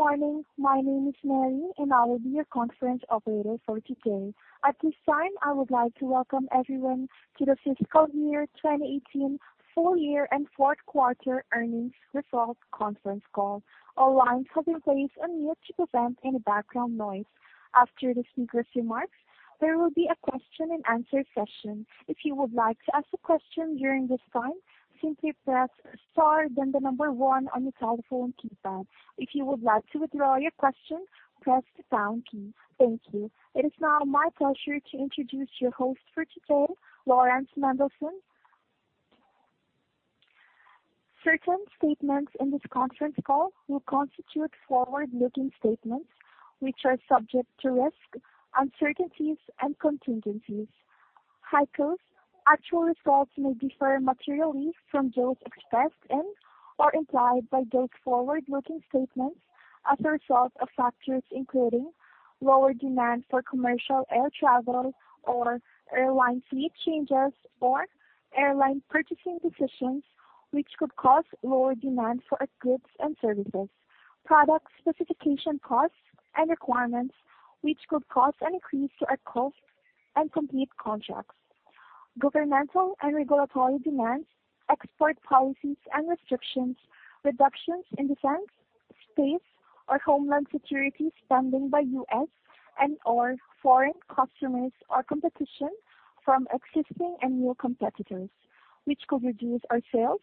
Good morning. My name is Mary, and I will be your conference operator for today. At this time, I would like to welcome everyone to the fiscal year 2018 full-year and fourth quarter earnings results conference call. All lines have been placed on mute to prevent any background noise. After the speaker's remarks, there will be a question-and-answer session. If you would like to ask a question during this time, simply press star then one on your telephone keypad. If you would like to withdraw your question, press the pound key. Thank you. It is now my pleasure to introduce your host for today, Laurans A. Mendelson. Certain statements in this conference call will constitute forward-looking statements which are subject to risks, uncertainties and contingencies. HEICO's actual results may differ materially from those expressed and or implied by those forward-looking statements as a result of factors including lower demand for commercial air travel or airline fleet changes or airline purchasing decisions which could cause lower demand for our goods and services. Product specification costs and requirements which could cause an increase to our costs and complete contracts. Governmental and regulatory demands, export policies and restrictions, reductions in defense, space or homeland security spending by U.S. and/or foreign customers or competition from existing and new competitors, which could reduce our sales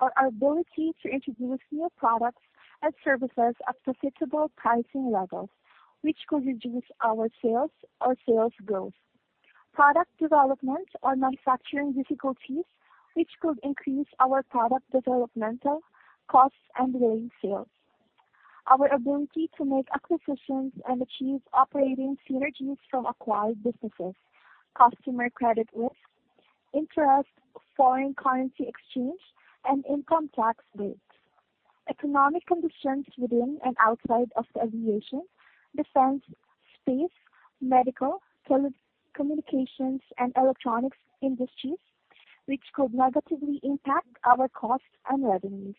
or our ability to introduce new products and services at profitable pricing levels, which could reduce our sales or sales growth. Product development or manufacturing difficulties which could increase our product developmental costs and delay sales. Our ability to make acquisitions and achieve operating synergies from acquired businesses. Customer credit risk, interest, foreign currency exchange and income tax rates. Economic conditions within and outside of the aviation, defense, space, medical, telecommunications and electronics industries which could negatively impact our costs and revenues.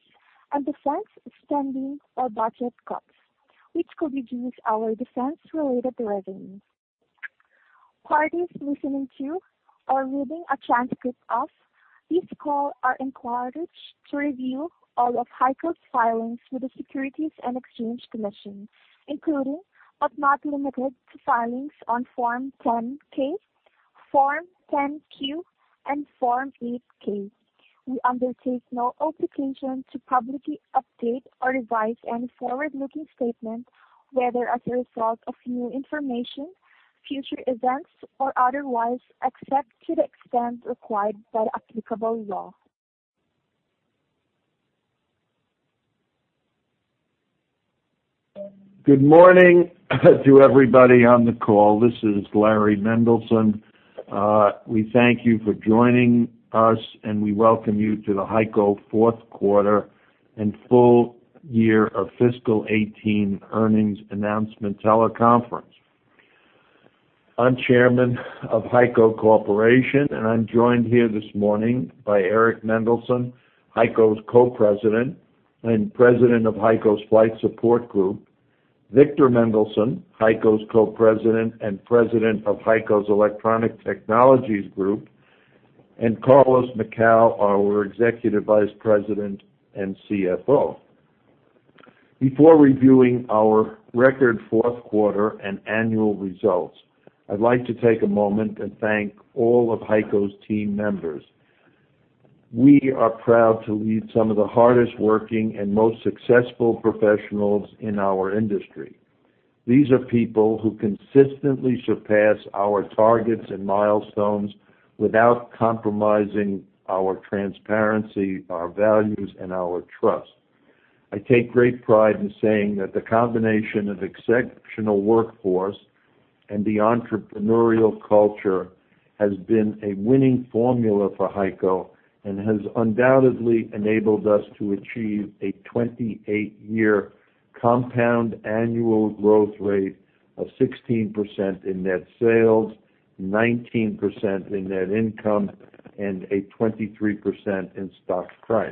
Defense spending or budget cuts which could reduce our defense-related revenues. Parties listening to or reading a transcript of this call are encouraged to review all of HEICO's filings with the Securities and Exchange Commission, including but not limited to filings on Form 10-K, Form 10-Q and Form 8-K. We undertake no obligation to publicly update or revise any forward-looking statement, whether as a result of new information, future events or otherwise, except to the extent required by applicable law. Good morning to everybody on the call. This is Laurans Mendelson. We thank you for joining us, and we welcome you to the HEICO fourth quarter and full-year of fiscal 2018 earnings announcement teleconference. I'm Chairman of HEICO Corporation, and I'm joined here this morning by Eric Mendelson, HEICO's Co-President and President of HEICO's Flight Support Group, Victor Mendelson, HEICO's Co-President and President of HEICO's Electronic Technologies Group, and Carlos Macau, our Executive Vice President and CFO. Before reviewing our record fourth quarter and annual results, I'd like to take a moment and thank all of HEICO's team members. We are proud to lead some of the hardest-working and most successful professionals in our industry. These are people who consistently surpass our targets and milestones without compromising our transparency, our values and our trust. I take great pride in saying that the combination of exceptional workforce and the entrepreneurial culture has been a winning formula for HEICO and has undoubtedly enabled us to achieve a 28-year compound annual growth rate of 16% in net sales, 19% in net income, and a 23% in stock price.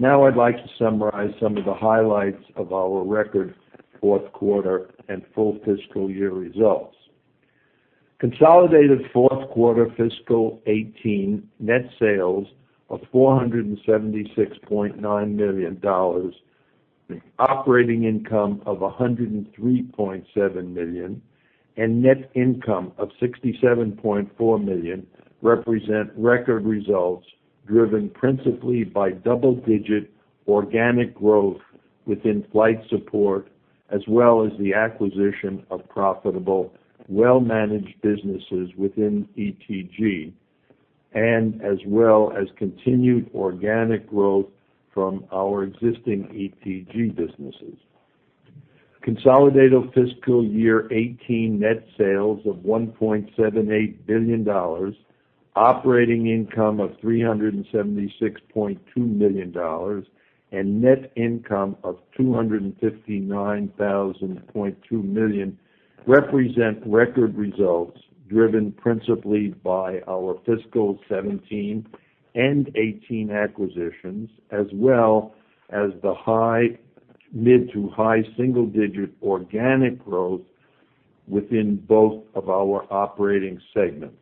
I'd like to summarize some of the highlights of our record fourth quarter and full fiscal year results. Consolidated fourth quarter fiscal 2018 net sales of $476.9 million, operating income of $103.7 million, and net income of $67.4 million represent record results driven principally by double-digit organic growth within Flight Support, as well as the acquisition of profitable, well-managed businesses within ETG, and as well as continued organic growth from our existing ETG businesses. Consolidated fiscal year 18 net sales of $1.78 billion, operating income of $376.2 million, and net income of $259.2 million represent record results driven principally by our fiscal 17 and 18 acquisitions, as well as the mid to high single-digit organic growth within both of our operating segments.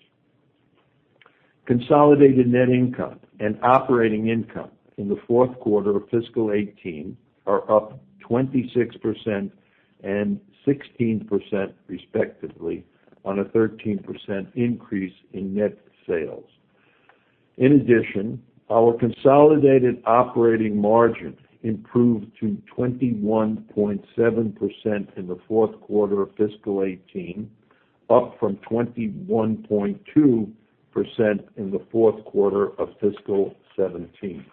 Consolidated net income and operating income in the fourth quarter of fiscal 18 are up 26% and 16% respectively on a 13% increase in net sales. Our consolidated operating margin improved to 21.7% in the fourth quarter of fiscal 18, up from 21.2% in the fourth quarter of fiscal 17.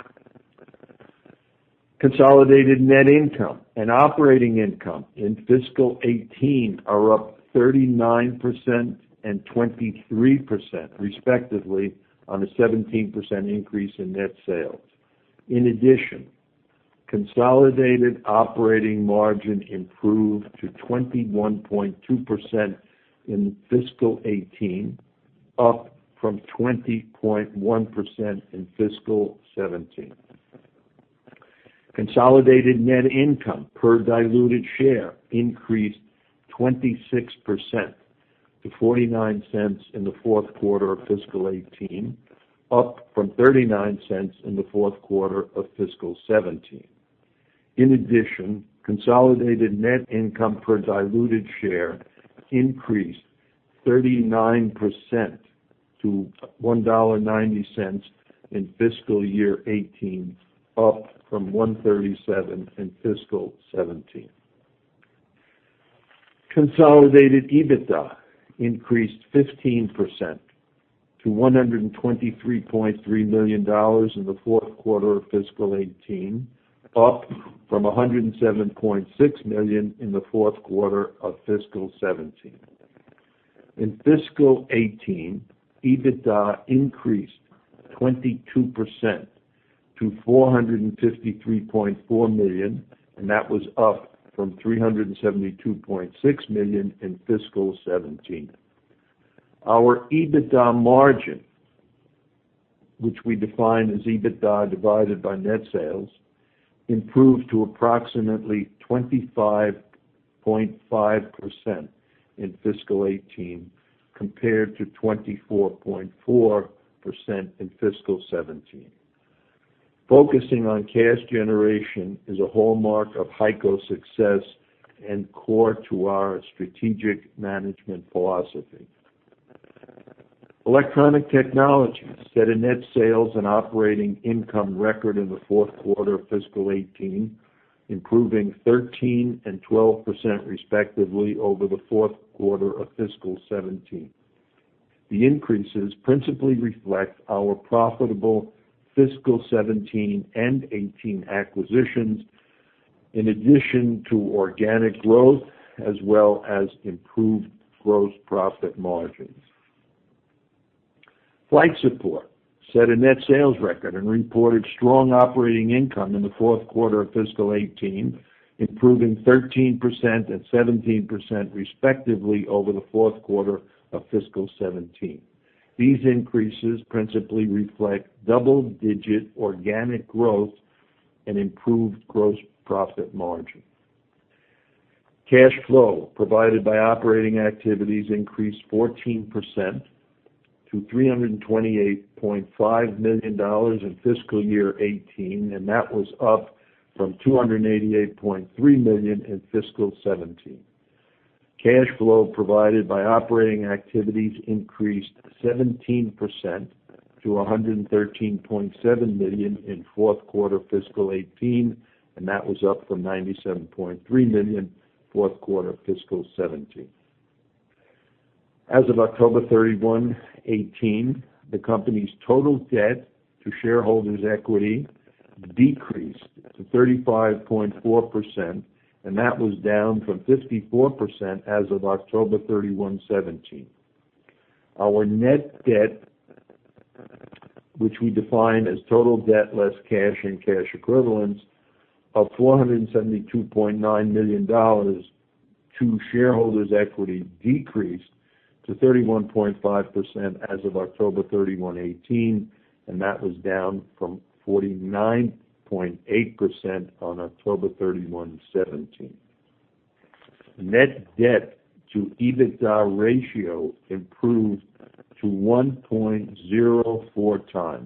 Consolidated net income and operating income in fiscal 18 are up 39% and 23% respectively on a 17% increase in net sales. In addition, consolidated operating margin improved to 21.2% in fiscal 2018, up from 20.1% in fiscal 2017. Consolidated net income per diluted share increased 26% to $0.49 in the fourth quarter of fiscal 2018, up from $0.39 in the fourth quarter of fiscal 2017. In addition, consolidated net income per diluted share increased 39% to $1.90 in fiscal year 2018, up from $1.37 in fiscal 2017. Consolidated EBITDA increased 15% to $123.3 million in the fourth quarter of fiscal 2018, up from $107.6 million in the fourth quarter of fiscal 2017. In fiscal 2018, EBITDA increased 22% to $453.4 million, that was up from $372.6 million in fiscal 2017. Our EBITDA margin, which we define as EBITDA divided by net sales, improved to approximately 25.5% in fiscal 18 compared to 24.4% in fiscal 17. Focusing on cash generation is a hallmark of HEICO's success and core to our strategic management philosophy. Electronic Technologies set a net sales and operating income record in the fourth quarter of fiscal 18, improving 13% and 12% respectively over the fourth quarter of fiscal 17. The increases principally reflect our profitable fiscal 17 and 18 acquisitions, in addition to organic growth as well as improved gross profit margins. Flight Support set a net sales record and reported strong operating income in the fourth quarter of fiscal 18, improving 13% and 17% respectively over the fourth quarter of fiscal 17. These increases principally reflect double-digit organic growth and improved gross profit margin. Cash flow provided by operating activities increased 14% to $328.5 million in fiscal year 2018, and that was up from $288.3 million in fiscal 2017. Cash flow provided by operating activities increased 17% to $113.7 million in fourth quarter fiscal 2018, and that was up from $97.3 million fourth quarter fiscal 2017. As of 31 October 2018, the company's total debt to shareholders' equity decreased to 35.4%, and that was down from 54% as of 31 October 2017. Our net debt, which we define as total debt less cash and cash equivalents of $472.9 million to shareholders' equity decreased to 31.5% as of 31 October 2018. That was down from 49.8% on 31 October 2017. Net debt to EBITDA ratio improved to 1.04x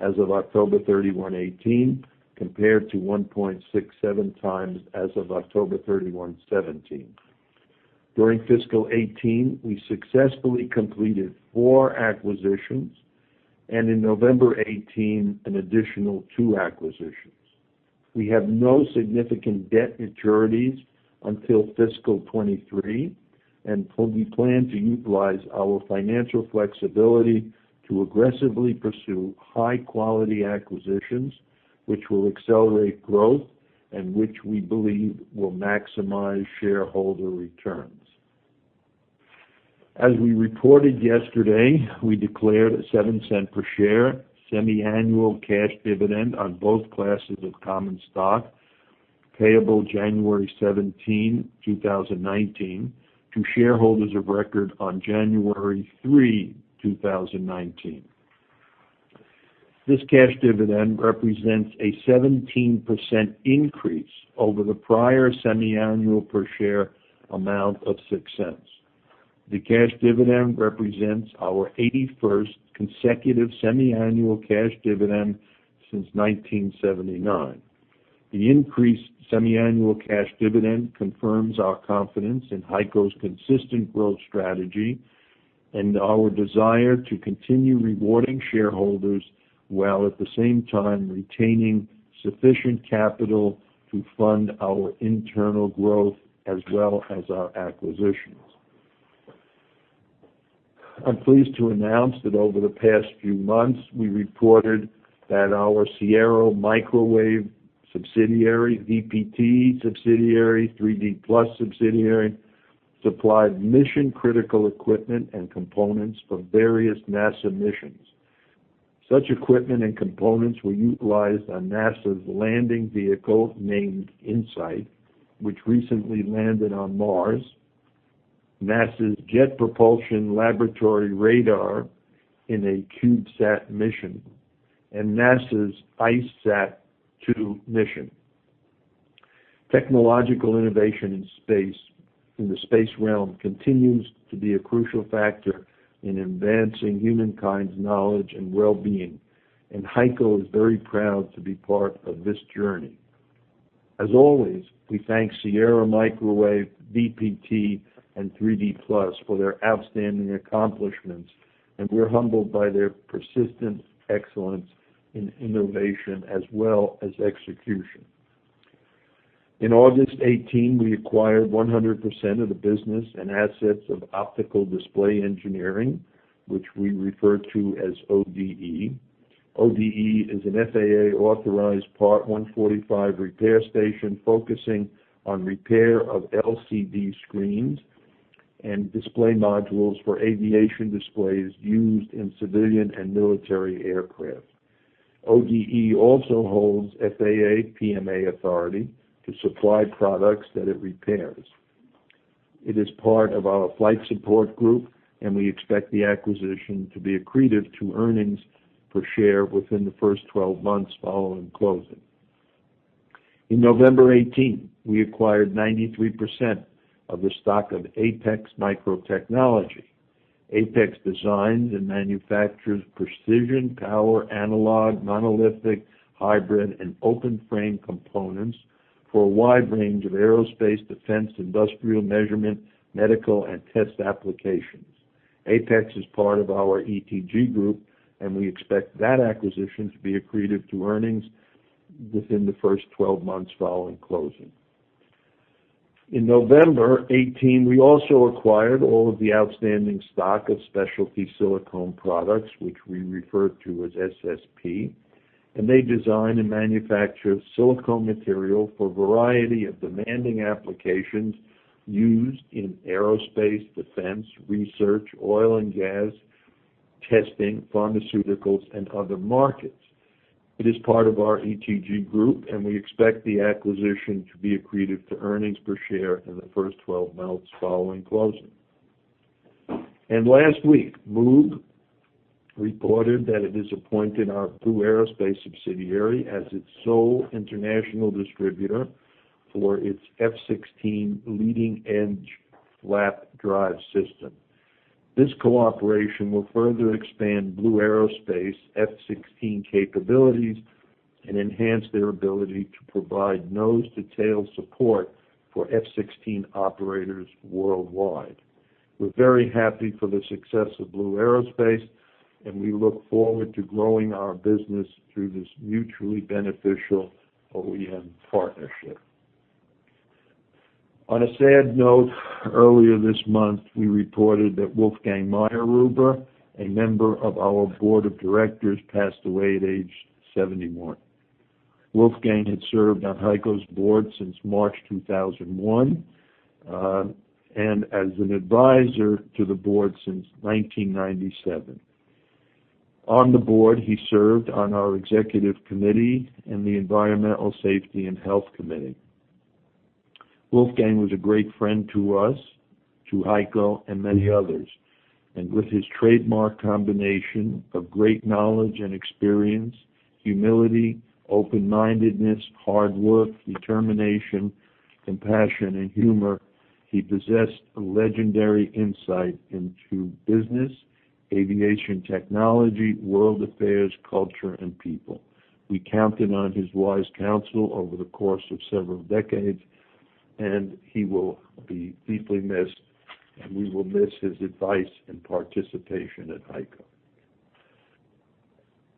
as of 31 October 2018 compared to 1.67x as of 31 October 2017. During fiscal 2018, we successfully completed four acquisitions. In November 2018, an additional two acquisitions. We have no significant debt maturities until fiscal 2023. We plan to utilize our financial flexibility to aggressively pursue high-quality acquisitions which will accelerate growth and which we believe will maximize shareholder returns. As we reported yesterday, we declared a $0.07 per share semi-annual cash dividend on both classes of common stock. Payable 17 January 2019 to shareholders of record on 3 January 2019. This cash dividend represents a 17% increase over the prior semi-annual per share amount of $0.06. The cash dividend represents our 81st consecutive semi-annual cash dividend since 1979. The increased semi-annual cash dividend confirms our confidence in HEICO's consistent growth strategy and our desire to continue rewarding shareholders, while at the same time retaining sufficient capital to fund our internal growth as well as our acquisitions. I'm pleased to announce that over the past few months, we reported that our Sierra Microwave subsidiary, VPT subsidiary, 3D PLUS subsidiary, supplied mission-critical equipment and components for various NASA missions. Such equipment and components were utilized on NASA's landing vehicle named InSight, which recently landed on Mars, NASA's Jet Propulsion Laboratory radar in a CubeSat mission, and NASA's ICESat-2 mission. Technological innovation in the space realm continues to be a crucial factor in advancing humankind's knowledge and well-being. HEICO is very proud to be part of this journey. As always, we thank Sierra Microwave Technology, VPT, and 3D PLUS for their outstanding accomplishments. We're humbled by their persistent excellence in innovation as well as execution. In 18 August we acquired 100% of the business and assets of Optical Display Engineering, which we refer to as ODE. ODE is an FAA-authorized Part 145 repair station focusing on repair of LCD screens and display modules for aviation displays used in civilian and military aircraft. ODE also holds FAA PMA authority to supply products that it repairs. It is part of our Flight Support Group. We expect the acquisition to be accretive to earnings per share within the first 12 months following closing. In November 2018, we acquired 93% of the stock of Apex Microtechnology. Apex designs and manufactures precision power analog, monolithic, hybrid, and open-frame components for a wide range of aerospace, defense, industrial measurement, medical, and test applications. Apex is part of our ETG group. We expect that acquisition to be accretive to earnings within the first 12 months following closing. In November 2018, we also acquired all of the outstanding stock of Specialty Silicone Products, which we refer to as SSP, and they design and manufacture silicone material for a variety of demanding applications used in aerospace, defense, research, oil and gas testing, pharmaceuticals, and other markets. It is part of our ETG group, and we expect the acquisition to be accretive to earnings per share in the first 12 months following closing. Last week, Moog reported that it has appointed our Blue Aerospace subsidiary as its sole international distributor for its F-16 leading edge flap drive system. This cooperation will further expand Blue Aerospace F-16 capabilities and enhance their ability to provide nose-to-tail support for F-16 operators worldwide. We're very happy for the success of Blue Aerospace, and we look forward to growing our business through this mutually beneficial OEM partnership. On a sad note, earlier this month, we reported that Wolfgang Mayrhuber, a member of our board of directors, passed away at age 71. Wolfgang had served on HEICO's board since March 2001, and as an advisor to the board since 1997. On the board, he served on our executive committee and the Environmental, Safety, and Health Committee. Wolfgang was a great friend to us, to HEICO, and many others. With his trademark combination of great knowledge and experience, humility, open-mindedness, hard work, determination, compassion, and humor, he possessed a legendary insight into business, aviation technology, world affairs, culture, and people. We counted on his wise counsel over the course of several decades, and he will be deeply missed, and we will miss his advice and participation at HEICO.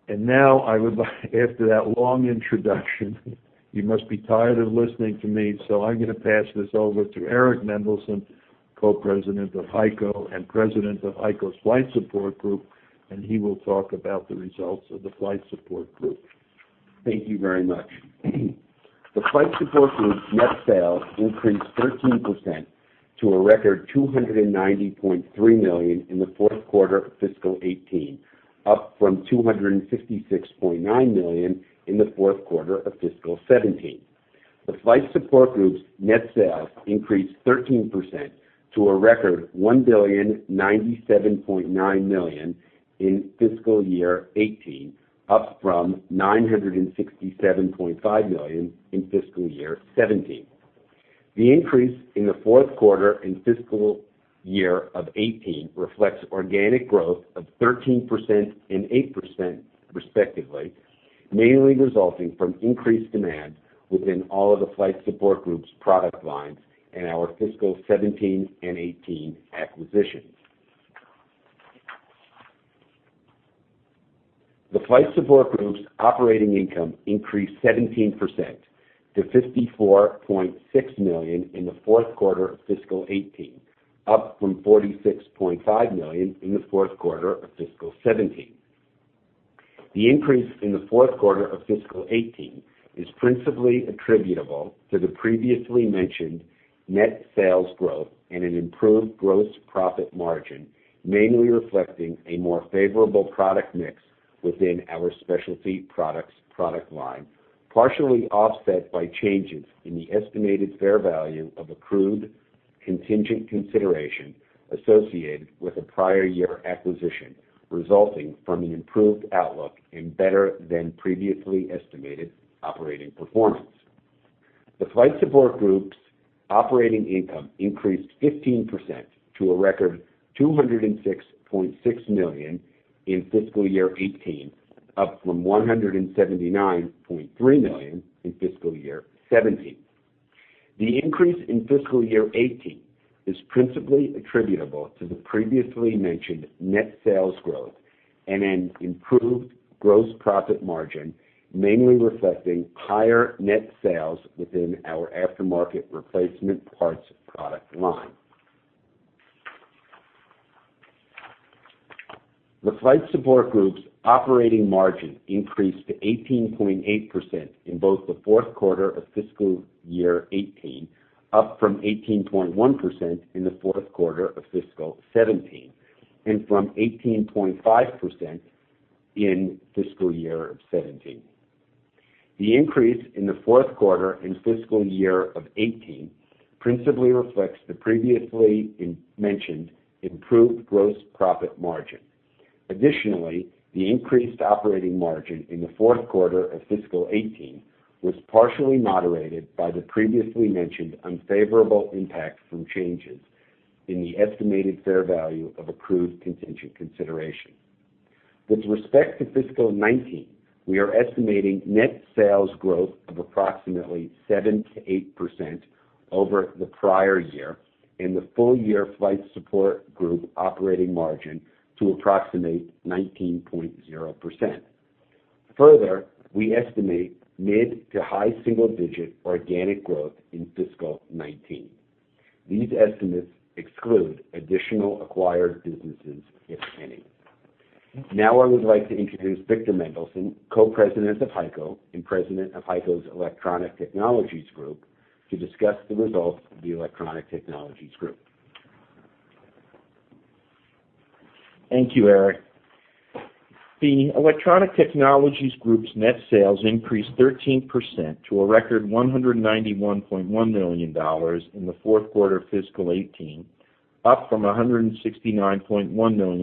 After that long introduction, you must be tired of listening to me, so I'm going to pass this over to Eric Mendelson, Co-President of HEICO and President of HEICO's Flight Support Group, and he will talk about the results of the Flight Support Group. Thank you very much. The Flight Support Group net sales increased 13% to a record $290.3 million in the fourth quarter of fiscal 2018, up from $266.9 million in the fourth quarter of fiscal 2017. The Flight Support Group's net sales increased 13% to a record $1,097.9 million in fiscal year 2018, up from $967.5 million in fiscal year 2017. The increase in the fourth quarter in fiscal year 2018 reflects organic growth of 13% and 8% respectively, mainly resulting from increased demand within all of the Flight Support Group's product lines in our fiscal 2017 and 2018 acquisitions. The Flight Support Group's operating income increased 17% to $54.6 million in the fourth quarter of fiscal 2018, up from $46.5 million in the fourth quarter of fiscal 2017. The increase in the fourth quarter of fiscal 2018 is principally attributable to the previously mentioned net sales growth and an improved gross profit margin, mainly reflecting a more favorable product mix within our specialty products product line, partially offset by changes in the estimated fair value of accrued contingent consideration associated with a prior year acquisition, resulting from an improved outlook and better than previously estimated operating performance. The Flight Support Group's operating income increased 15% to a record $206.6 million in fiscal year 2018, up from $179.3 million in fiscal year 2017. The increase in fiscal year 18 is principally attributable to the previously mentioned net sales growth and an improved gross profit margin, mainly reflecting higher net sales within our aftermarket replacement parts product line. The Flight Support Group's operating margin increased to 18.8% in both the fourth quarter of fiscal year 18, up from 18.1% in the fourth quarter of fiscal 17, and from 18.5% in fiscal year 17. The increase in the fourth quarter and fiscal year 18 principally reflects the previously mentioned improved gross profit margin. Additionally, the increased operating margin in the fourth quarter of fiscal 18 was partially moderated by the previously mentioned unfavorable impact from changes in the estimated fair value of approved contingent consideration. With respect to fiscal 2019, we are estimating net sales growth of approximately 7%-8% over the prior year, and the full-year Flight Support Group operating margin to approximate 19.0%. We estimate mid to high single-digit organic growth in fiscal 2019. These estimates exclude additional acquired businesses, if any. I would like to introduce Victor Mendelson, Co-President of HEICO and President of HEICO's Electronic Technologies Group, to discuss the results of the Electronic Technologies Group. Thank you, Eric. The Electronic Technologies Group's net sales increased 13% to a record $191.1 million in the fourth quarter of fiscal 2018, up from $169.1 million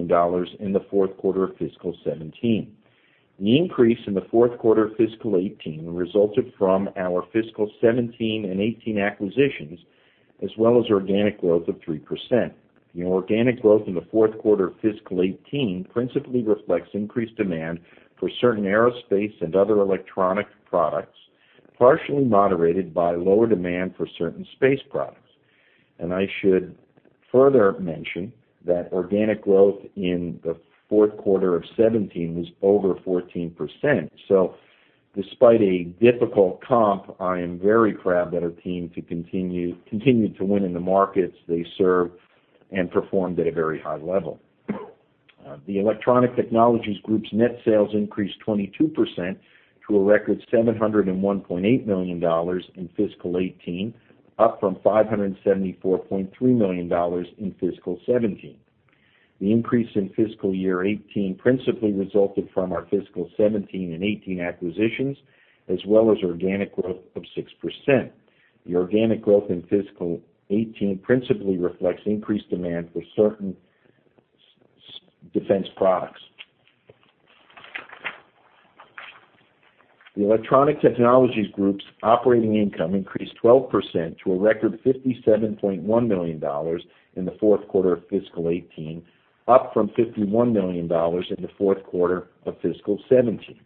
in the fourth quarter of fiscal 2017. The increase in the fourth quarter of fiscal 2018 resulted from our fiscal 2017 and 2018 acquisitions, as well as organic growth of 3%. The organic growth in the fourth quarter of fiscal 2018 principally reflects increased demand for certain aerospace and other electronic products, partially moderated by lower demand for certain space products. I should further mention that organic growth in the fourth quarter of 2017 was over 14%. Despite a difficult comp, I am very proud that our team continued to win in the markets they serve and performed at a very high level. The Electronic Technologies Group's net sales increased 22% to a record $701.8 million in fiscal 18, up from $574.3 million in fiscal 17. The increase in fiscal year 18 principally resulted from our fiscal 17 and 18 acquisitions, as well as organic growth of 6%. The organic growth in fiscal 18 principally reflects increased demand for certain defense products. The Electronic Technologies Group's operating income increased 12% to a record $57.1 million in the fourth quarter of fiscal 18, up from $51 million in the fourth quarter of fiscal 17.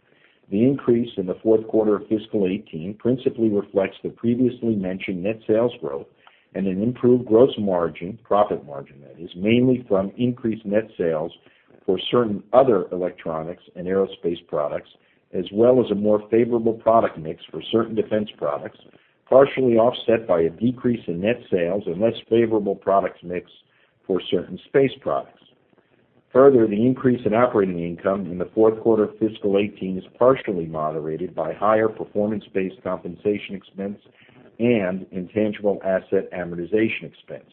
The increase in the fourth quarter of fiscal 2018 principally reflects the previously mentioned net sales growth and an improved gross margin, profit margin that is, mainly from increased net sales for certain other electronics and aerospace products, as well as a more favorable product mix for certain defense products, partially offset by a decrease in net sales and less favorable products mix for certain space products. Further, the increase in operating income in the fourth quarter of fiscal 2018 is partially moderated by higher performance-based compensation expense and intangible asset amortization expense.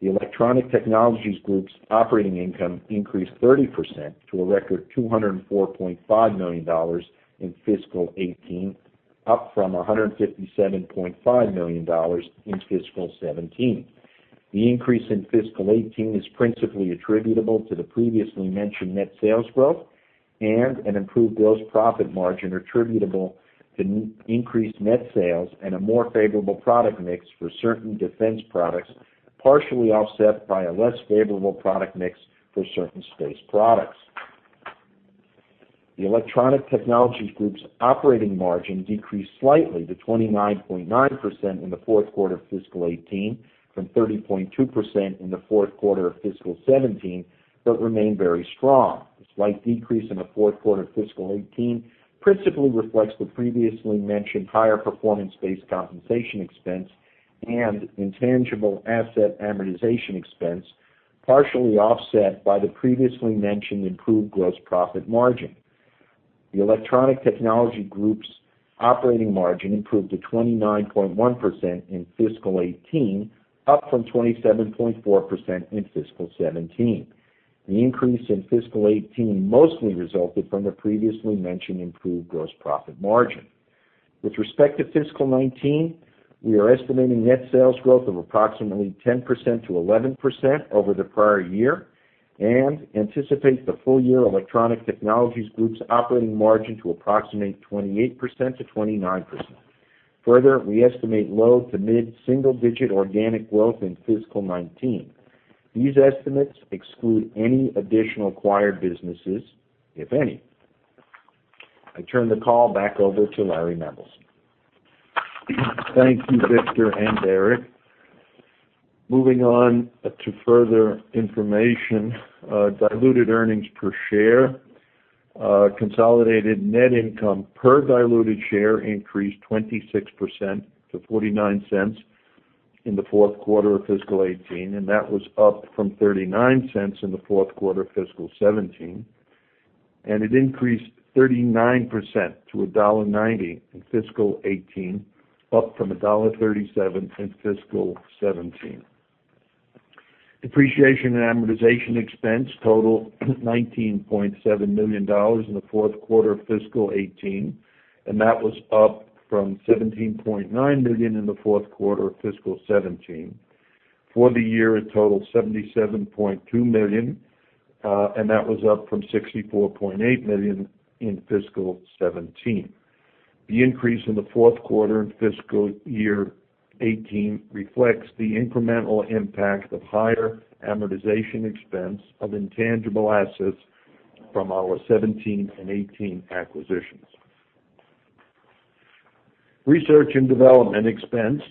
The Electronic Technologies Group's operating income increased 30% to a record $204.5 million in fiscal 2018, up from $157.5 million in fiscal 2017. The increase in fiscal 2018 is principally attributable to the previously mentioned net sales growth and an improved gross profit margin attributable to increased net sales and a more favorable product mix for certain defense products, partially offset by a less favorable product mix for certain space products. The Electronic Technologies Group's operating margin decreased slightly to 29.9% in the fourth quarter of fiscal 2018 from 30.2% in the fourth quarter of fiscal 2017, but remained very strong. The slight decrease in the fourth quarter of fiscal 2018 principally reflects the previously mentioned higher performance-based compensation expense and intangible asset amortization expense, partially offset by the previously mentioned improved gross profit margin. The Electronic Technologies Group's operating margin improved to 29.1% in fiscal 2018, up from 27.4% in fiscal 2017. The increase in fiscal 2018 mostly resulted from the previously mentioned improved gross profit margin. With respect to fiscal 2019, we are estimating net sales growth of approximately 10%-11% over the prior year and anticipate the full-year Electronic Technologies Group's operating margin to approximate 28%-29%. Further, we estimate low to mid-single digit organic growth in fiscal 2019. These estimates exclude any additional acquired businesses, if any. I turn the call back over to Laurans Mendelson. Thank you, Victor and Eric. Moving on to further information. Diluted earnings per share, consolidated net income per diluted share increased 26% to $0.49 in the fourth quarter of fiscal 2018, and that was up from $0.39 in the fourth quarter of fiscal 2017. It increased 39% to $1.90 in fiscal 2018, up from $1.37 in fiscal 2017. Depreciation and amortization expense totaled $19.7 million in the fourth quarter of fiscal 2018, and that was up from $17.9 million in the fourth quarter of fiscal 2017. For the year, it totaled $77.2 million, and that was up from $64.8 million in fiscal 2017. The increase in the fourth quarter in fiscal year 2018 reflects the incremental impact of higher amortization expense of intangible assets from our 2017 and 2018 acquisitions. Research and development expense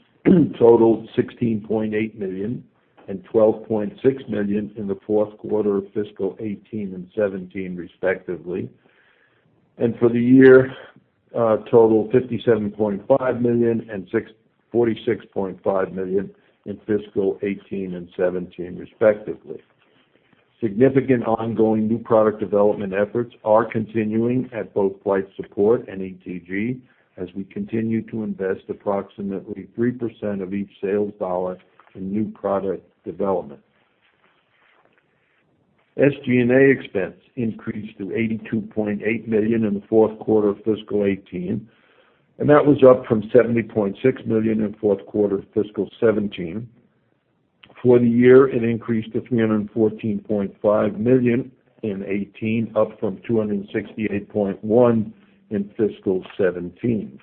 totaled $16.8 million and $12.6 million in the fourth quarter of fiscal 2018 and 2017, respectively. For the year, totaled $57.5 million and $46.5 million in fiscal 2018 and 2017, respectively. Significant ongoing new product development efforts are continuing at both Flight Support and ETG as we continue to invest approximately 3% of each sales dollar in new product development. SG&A expense increased to $82.8 million in the fourth quarter of fiscal 2018, and that was up from $70.6 million in fourth quarter of fiscal 2017. For the year, it increased to $314.5 million in 2018, up from $268.1 million in fiscal 2017.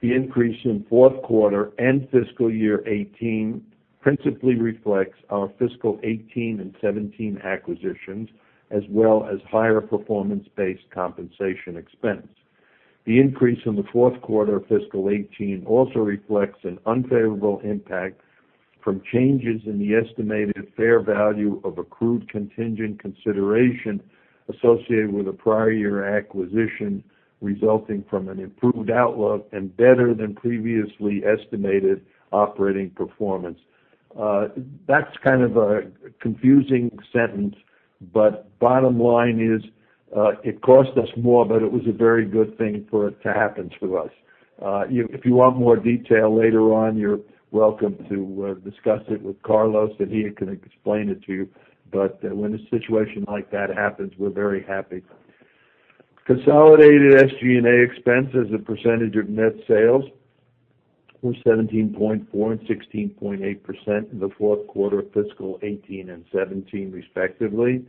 The increase in fourth quarter and fiscal year 2018 principally reflects our fiscal 2018 and 2017 acquisitions, as well as higher performance-based compensation expense. The increase in the fourth quarter of fiscal 2018 also reflects an unfavorable impact from changes in the estimated fair value of accrued contingent consideration associated with a prior year acquisition resulting from an improved outlook and better than previously estimated operating performance. That's kind of a confusing sentence, but bottom line is, it cost us more, but it was a very good thing for it to happen to us. If you want more detail later on, you're welcome to discuss it with Carlos, and he can explain it to you. When a situation like that happens, we're very happy. Consolidated SG&A expense as a percentage of net sales were 17.4% and 16.8% in the fourth quarter of fiscal 2018 and 2017, respectively,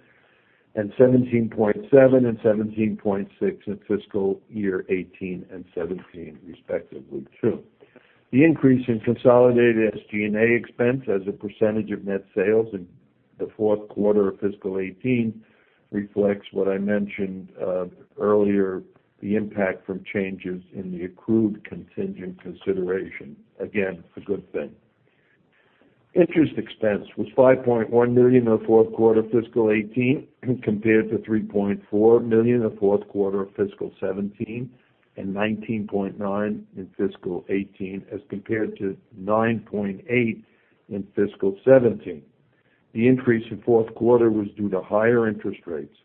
and 17.7% and 17.6% in fiscal year 2018 and 2017, respectively, too. The increase in consolidated SG&A expense as a percentage of net sales in the fourth quarter of fiscal 2018 reflects what I mentioned earlier, the impact from changes in the accrued contingent consideration. Again, a good thing. Interest expense was $5.1 million in the fourth quarter of fiscal 2018, compared to $3.4 million in the fourth quarter of fiscal 2017, and $19.9 million in fiscal 2018 as compared to $9.8 million in fiscal 2017. The increase in fourth quarter was due to higher interest rates.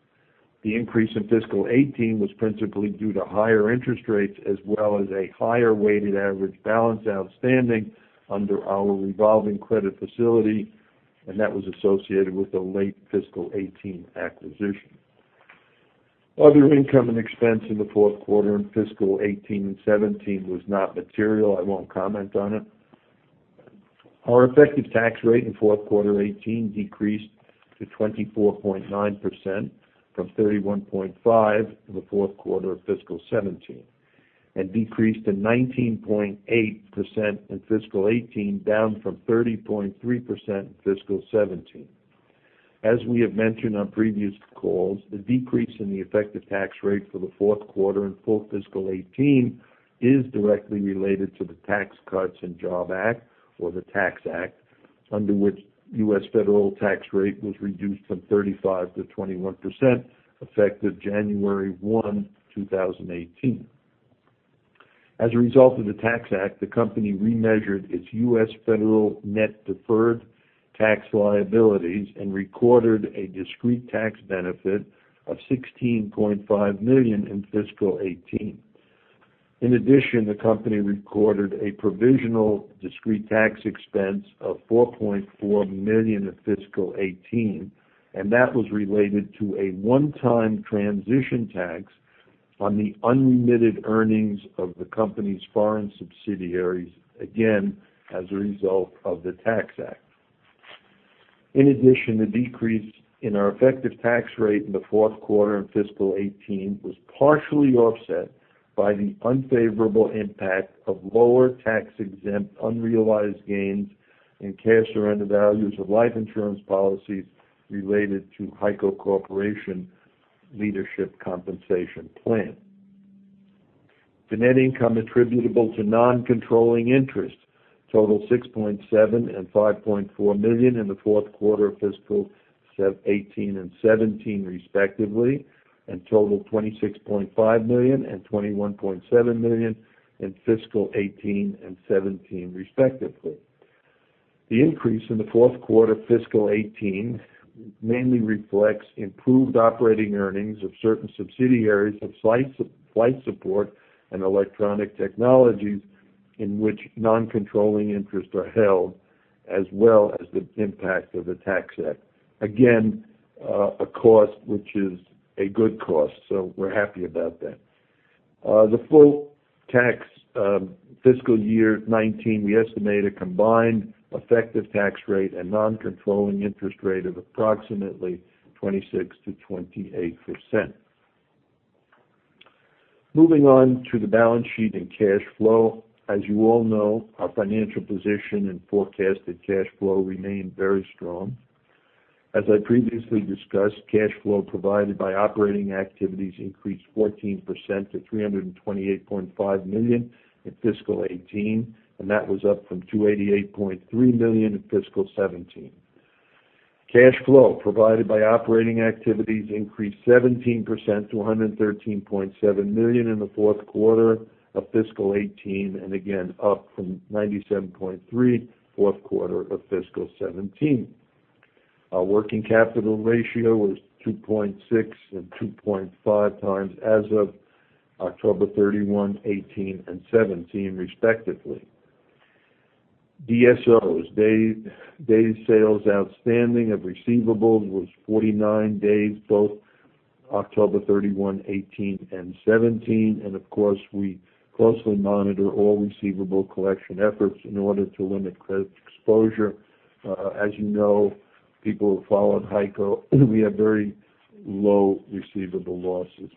The increase in fiscal 2018 was principally due to higher interest rates, as well as a higher weighted average balance outstanding under our revolving credit facility, and that was associated with the late fiscal 2018 acquisition. Other income and expense in the fourth quarter in fiscal 2018 and 2017 was not material. I won't comment on it. Our effective tax rate in fourth quarter 2018 decreased to 24.9% from 31.5% in the fourth quarter of fiscal 2017, and decreased to 19.8% in fiscal 2018, down from 30.3% in fiscal 2017. As we have mentioned on previous calls, the decrease in the effective tax rate for the fourth quarter and full fiscal 2018 is directly related to the Tax Cuts and Jobs Act, or the Tax Act, under which U.S. federal tax rate was reduced from 35% to 21%, effective 1 January 2018. As a result of the Tax Act, the company remeasured its U.S. federal net deferred tax liabilities and recorded a discrete tax benefit of $16.5 million in fiscal 2018. In addition, the company recorded a provisional discrete tax expense of $4.4 million in fiscal 2018, and that was related to a one-time transition tax on the unremitted earnings of the company's foreign subsidiaries, again, as a result of the Tax Act. In addition, the decrease in our effective tax rate in the fourth quarter in fiscal 2018 was partially offset by the unfavorable impact of lower tax-exempt unrealized gains and cash surrender values of life insurance policies related to HEICO Corporation Leadership Compensation Plan. The net income attributable to non-controlling interests totaled $6.7 million and $5.4 million in the fourth quarter of fiscal 2018 and 2017, respectively, and totaled $26.5 million and $21.7 million in fiscal 2018 and 2017, respectively. The increase in the fourth quarter of fiscal 2018 mainly reflects improved operating earnings of certain subsidiaries of Flight Support and Electronic Technologies, in which non-controlling interests are held, as well as the impact of the Tax Act. Again, a cost which is a good cost, so we're happy about that. The full tax, fiscal year 2019, we estimate a combined effective tax rate and non-controlling interest rate of approximately 26%-28%. Moving on to the balance sheet and cash flow. As you all know, our financial position and forecasted cash flow remain very strong. As I previously discussed, cash flow provided by operating activities increased 14% to $328.5 million in fiscal 2018, and that was up from $288.3 million in fiscal 2017. Cash flow provided by operating activities increased 17% to $113.7 million in the fourth quarter of fiscal 2018. Again, up from $97.3 fourth quarter of fiscal 2017. Our working capital ratio was 2.6 and 2.5x as of 31 October 2018 and 2017, respectively. DSOs, days sales outstanding of receivables was 49 days, both 31 October 2018 and 2017. Of course, we closely monitor all receivable collection efforts in order to limit credit exposure. As you know, people who followed HEICO, we have very low receivable losses.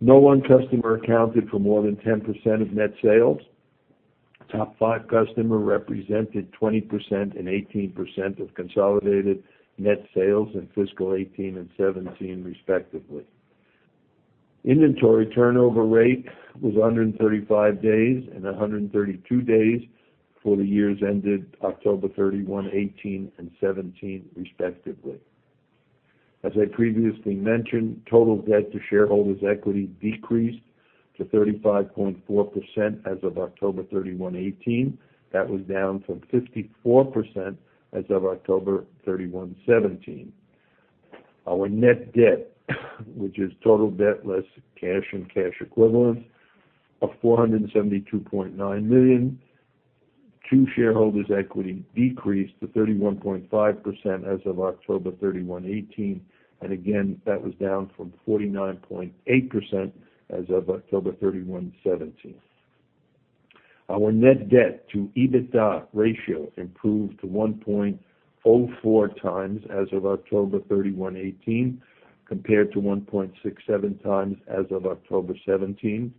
No one customer accounted for more than 10% of net sales. Top five customer represented 20% and 18% of consolidated net sales in fiscal 2018 and 2017, respectively. Inventory turnover rate was 135 days and 132 days for the years ended 31 October 2018 and 2017, respectively. As I previously mentioned, total debt to shareholders' equity decreased to 35.4% as of 31 October 2018. That was down from 54% as of 31 October 2017. Our net debt, which is total debt less cash and cash equivalents of $472.9 million to shareholders' equity decreased to 31.5% as of 31 October 2018. Again, that was down from 49.8% as of 31 October 2017. Our net debt to EBITDA ratio improved to 1.04x as of 31 October 2018, compared to 1.67x as of October 2017.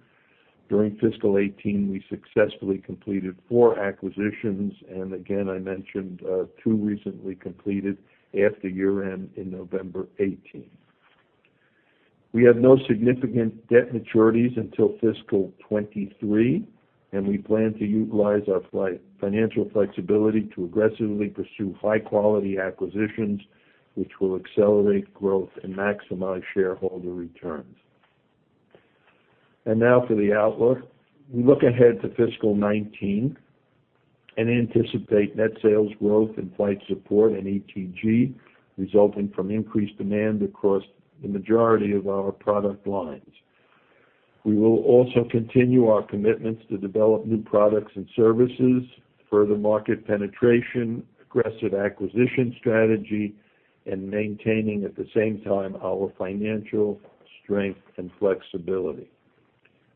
During fiscal 2018, we successfully completed four acquisitions. Again, I mentioned two recently completed after year-end in November 2018. We have no significant debt maturities until fiscal 2023. We plan to utilize our financial flexibility to aggressively pursue high-quality acquisitions, which will accelerate growth and maximize shareholder returns. Now for the outlook. We look ahead to fiscal 2019 and anticipate net sales growth in Flight Support and ETG, resulting from increased demand across the majority of our product lines. We will also continue our commitments to develop new products and services, further market penetration, aggressive acquisition strategy, and maintaining, at the same time, our financial strength and flexibility.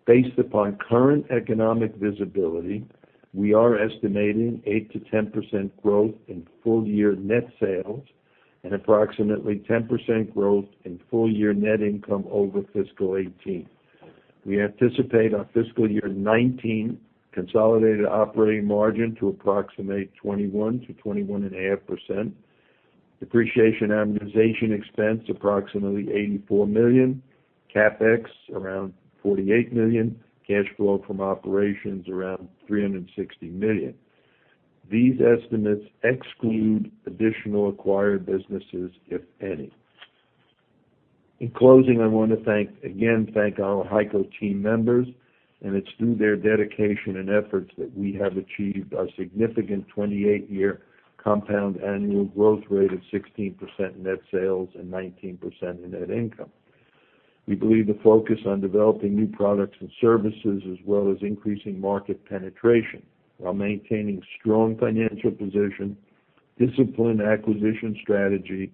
Based upon current economic visibility, we are estimating 8%-10% growth in full-year net sales and approximately 10% growth in full-year net income over fiscal 2018. We anticipate our fiscal year 2019 consolidated operating margin to approximate 21%-21.5%. Depreciation amortization expense approximately $84 million. CapEx around $48 million. Cash flow from operations around $360 million. These estimates exclude additional acquired businesses, if any. In closing, I wanna thank again our HEICO team members, and it's through their dedication and efforts that we have achieved our significant 28-year compound annual growth rate of 16% net sales and 19% in net income. We believe the focus on developing new products and services as well as increasing market penetration while maintaining strong financial position, disciplined acquisition strategy,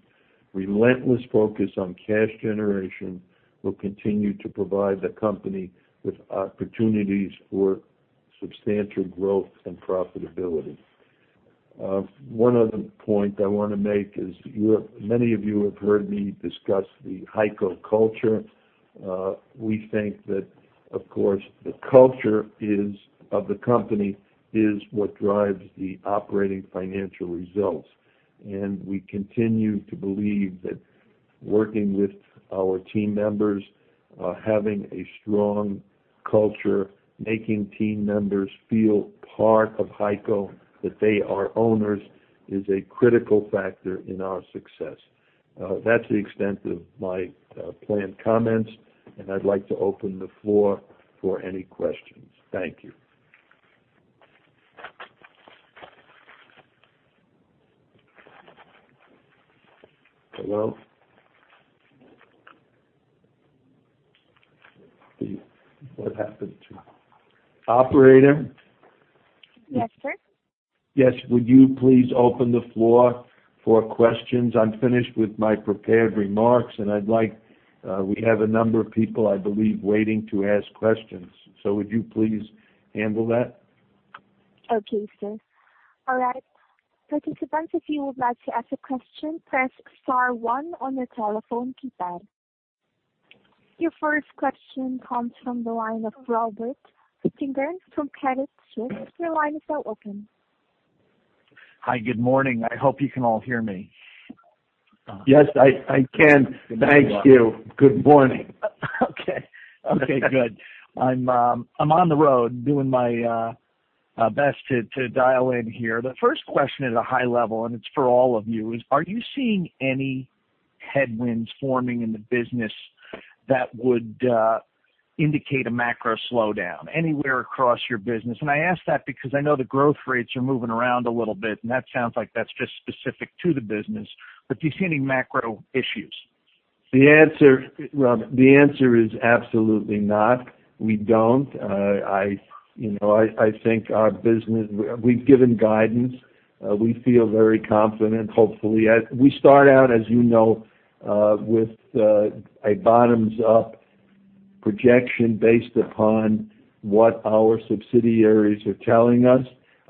relentless focus on cash generation will continue to provide the company with opportunities for substantial growth and profitability. One other point I wanna make is many of you have heard me discuss the HEICO culture. We think that, of course, the culture is, of the company, is what drives the operating financial results. We continue to believe that working with our team members, having a strong culture, making team members feel part of HEICO, that they are owners, is a critical factor in our success. That's the extent of my planned comments, and I'd like to open the floor for any questions. Thank you. Hello? What happened to Operator? Yes, sir. Yes, would you please open the floor for questions? I'm finished with my prepared remarks. We have a number of people, I believe, waiting to ask questions. Would you please handle that? Your first question comes from the line of Robert Spingarn from Credit Suisse. Hi. Good morning. I hope you can all hear me. Yes, I can. Good. Thank you. Good morning. Okay. Okay, good. I'm on the road doing my best to dial in here. The first question is a high level, and it's for all of you, is, are you seeing any headwinds forming in the business that would indicate a macro slowdown anywhere across your business? I ask that because I know the growth rates are moving around a little bit, and that sounds like that's just specific to the business. Do you see any macro issues? The answer, Rob, is absolutely not. We don't. I, you know, I think our business, we've given guidance. We feel very confident, hopefully. As we start out, as you know, with a bottoms-up projection based upon what our subsidiaries are telling us.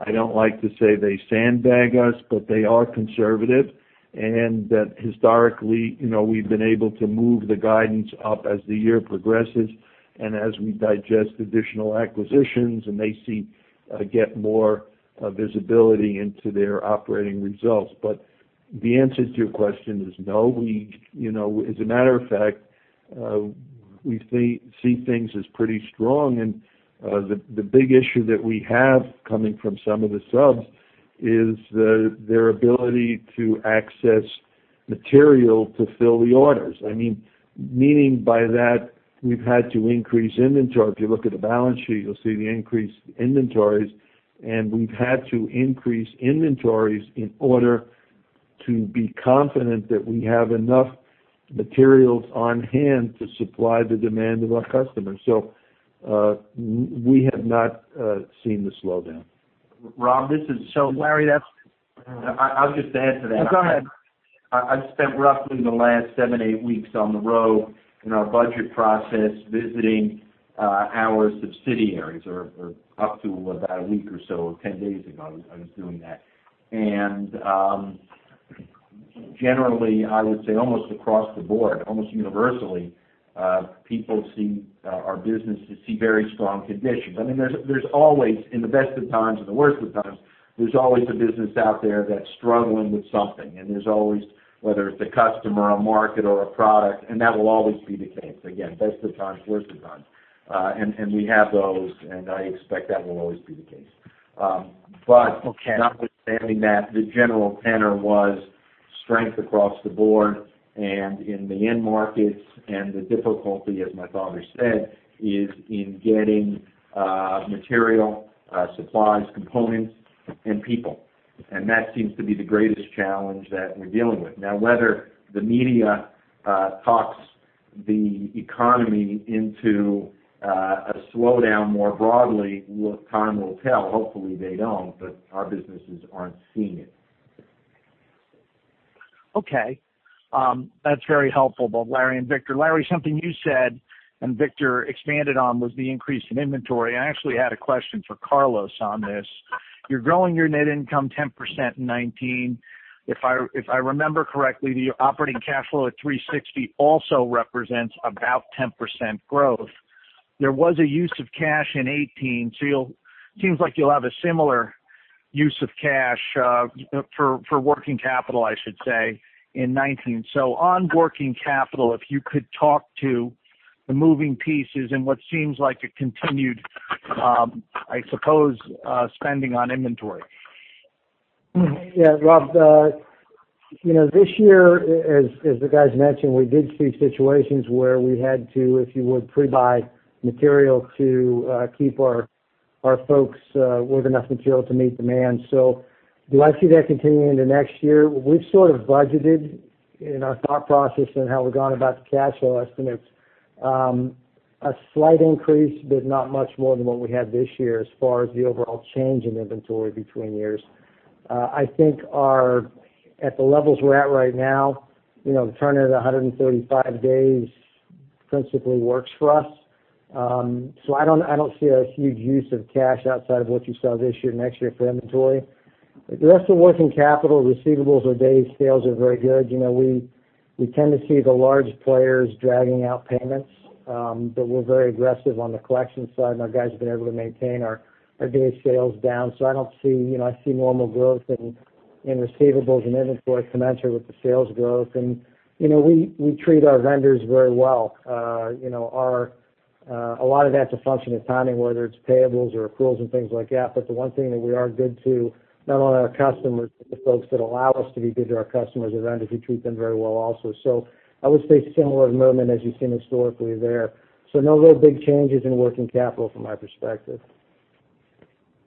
I don't like to say they sandbag us, but they are conservative. That historically, you know, we've been able to move the guidance up as the year progresses and as we digest additional acquisitions, and they see, get more visibility into their operating results. The answer to your question is no. We, you know, as a matter of fact, we see things as pretty strong. The big issue that we have coming from some of the subs is their ability to access material to fill the orders. I mean, meaning by that, we've had to increase inventory. If you look at the balance sheet, you'll see the increased inventories, and we've had to increase inventories in order to be confident that we have enough materials on hand to supply the demand of our customers. We have not seen the slowdown. Rob, Laurans. I'll just add to that. Go ahead. I've spent roughly the last seven, eight weeks on the road in our budget process, visiting our subsidiaries or up to about a week or so, 10 days ago, I was doing that. Generally, I would say almost across the board, almost universally, people see our businesses see very strong conditions. I mean, there's always, in the best of times and the worst of times, there's always a business out there that's struggling with something, and there's always whether it's a customer, a market, or a product, and that will always be the case. Again, best of times, worst of times. We have those, and I expect that will always be the case. Okay Notwithstanding that, the general tenor was strength across the board and in the end markets. The difficulty, as my father said, is in getting material, supplies, components, and people. That seems to be the greatest challenge that we're dealing with. Now, whether the media talks the economy into a slowdown more broadly, well, time will tell. Hopefully they don't, but our businesses aren't seeing it. Okay. That's very helpful, both Laurans and Victor. Laurans, something you said and Victor expanded on was the increase in inventory. I actually had a question for Carlos on this. You're growing your net income 10% in 2019. If I remember correctly, the operating cash flow at $360 million also represents about 10% growth. There was a use of cash in 2018, so it seems like you'll have a similar use of cash, you know, for working capital, I should say, in 2019. On working capital, if you could talk to the moving pieces and what seems like a continued, I suppose, spending on inventory. Yeah, Rob, you know, this year, as the guys mentioned, we did see situations where we had to, if you would, pre-buy material to keep our folks with enough material to meet demand. Do I see that continuing into next year? We've sort of budgeted in our thought process and how we've gone about the cash flow estimates, a slight increase, but not much more than what we had this year as far as the overall change in inventory between years. I think at the levels we're at right now, you know, turning at 135 days principally works for us. I don't, I don't see a huge use of cash outside of what you saw this year, next year for inventory. The rest of working capital receivables or days sales are very good. You know, we tend to see the large players dragging out payments, we're very aggressive on the collection side, and our guys have been able to maintain our days sales down. I see normal growth in receivables and inventory commensurate with the sales growth. You know, we treat our vendors very well. You know, a lot of that's a function of timing, whether it's payables or approvals and things like that. The one thing that we are good to not only our customers, but the folks that allow us to be good to our customers are vendors. We treat them very well also. I would say similar movement as you've seen historically there. No real big changes in working capital from my perspective.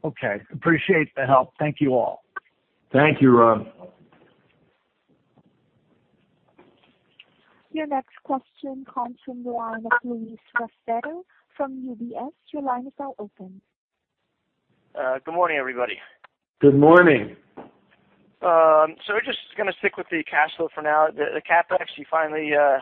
Okay. Appreciate the help. Thank you all. Thank you, Rob. Your next question comes from the line of Louis Raffetto from UBS. Good morning, everybody. Good morning. We're just gonna stick with the cash flow for now. The CapEx, you finally, you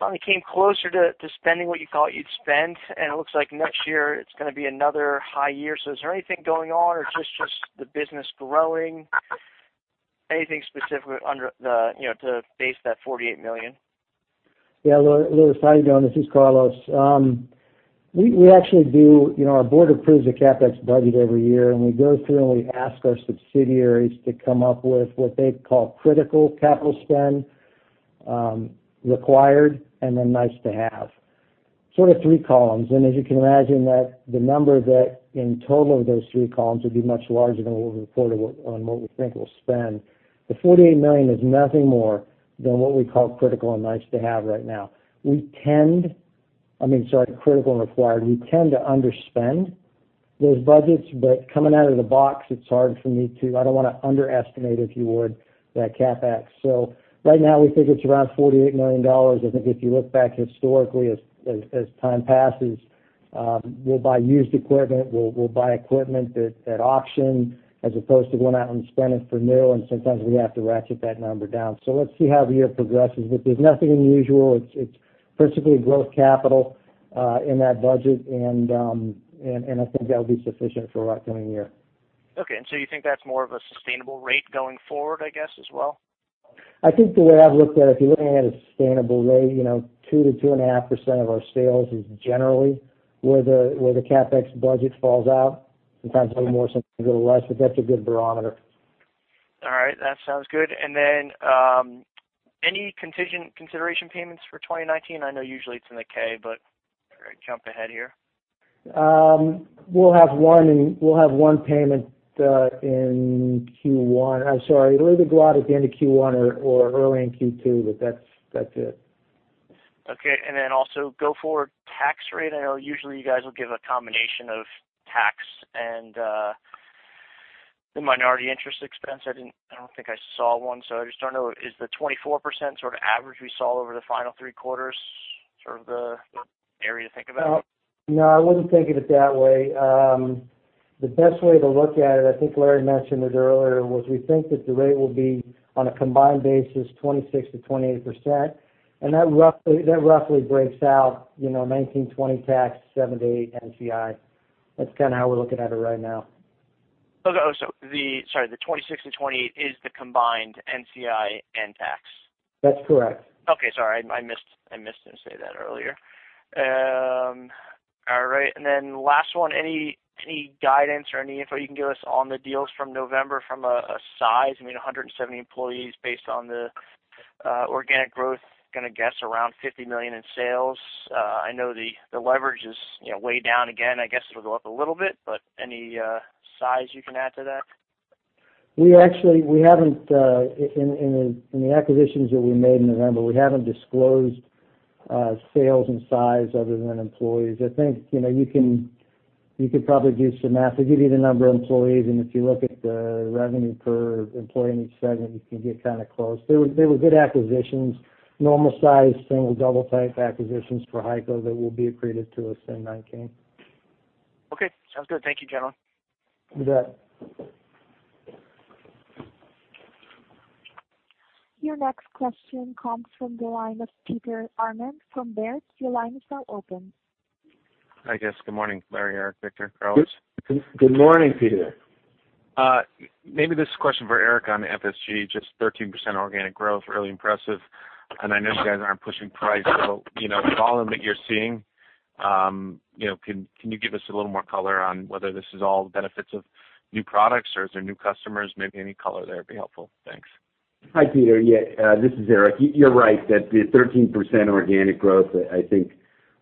finally came closer to spending what you thought you'd spend, and it looks like next year it's gonna be another high year. Is there anything going on or it's just the business growing? Anything specific under the, you know, to base that $48 million? Yeah. Louis, how you doing? This is Carlos. We actually do, you know, our board approves a CapEx budget every year. We go through and we ask our subsidiaries to come up with what they call critical capital spend, required, nice to have, sort of three columns. As you can imagine that the number that in total of those three columns would be much larger than what we reported on what we think we'll spend. The $48 million is nothing more than what we call critical and nice to have right now. I mean, sorry, critical and required. We tend to underspend those budgets, coming out of the box, it's hard for me. I don't want to underestimate, if you would, that CapEx. Right now, we think it's around $48 million. I think if you look back historically as time passes, we'll buy used equipment. We'll buy equipment that at auction as opposed to going out and spending for new, and sometimes we have to ratchet that number down. Let's see how the year progresses. There's nothing unusual. It's principally growth capital in that budget and I think that'll be sufficient for our coming year. Okay. You think that's more of a sustainable rate going forward, I guess, as well? I think the way I've looked at it, if you're looking at a sustainable rate, you know, 2% to 2.5% of our sales is generally where the, where the CapEx budget falls out. Sometimes a little more, sometimes a little less, but that's a good barometer. All right. That sounds good. Then, any contingent consideration payments for 2019? I know usually it's in the K, but figure I'd jump ahead here. We'll have one payment in Q1. I'm sorry. It'll either go out at the end of Q1 or early in Q2, that's it. Okay. Also go-forward tax rate. I know usually you guys will give a combination of tax and the minority interest expense. I don't think I saw one. I just don't know, is the 24% sort of average we saw over the final 3 quarters, sort of the area to think about? No, no, I wouldn't think of it that way. The best way to look at it, I think Laurans mentioned it earlier, was we think that the rate will be on a combined basis, 26%-28%. That roughly breaks out, you know, 19/20 tax, 7-8 NCI. That's kind of how we're looking at it right now. Okay. Oh, sorry, the 26-28 is the combined NCI and tax? That's correct. Okay, sorry. I missed him say that earlier. All right. Last one, any guidance or any info you can give us on the deals from November from a size? I mean, 170 employees based on the organic growth, gonna guess around $50 million in sales. I know the leverage is, you know, way down again. I guess it'll go up a little bit, but any size you can add to that? We haven't in the acquisitions that we made in November, we haven't disclosed sales and size other than employees. I think, you know, you can, you could probably do some math. They give you the number of employees, and if you look at the revenue per employee in each segment, you can get kinda close. They were good acquisitions. Normal size, single-double type acquisitions for HEICO that will be accretive to us in 2019. Okay. Sounds good. Thank you, gentlemen. You bet. Your next question comes from the line of Peter Arment from Baird. Your line is now open. Hi, guys. Good morning, Laurans, Eric, Victor, Carlos. Good morning, Peter. Maybe this is a question for Eric on the FSG. Just 13% organic growth, really impressive. I know you guys aren't pushing price. You know, with the volume that you're seeing, you know, can you give us a little more color on whether this is all benefits of new products or is there new customers? Maybe any color there would be helpful. Thanks. Hi, Peter. Yeah, this is Eric. You're right that the 13% organic growth, I think,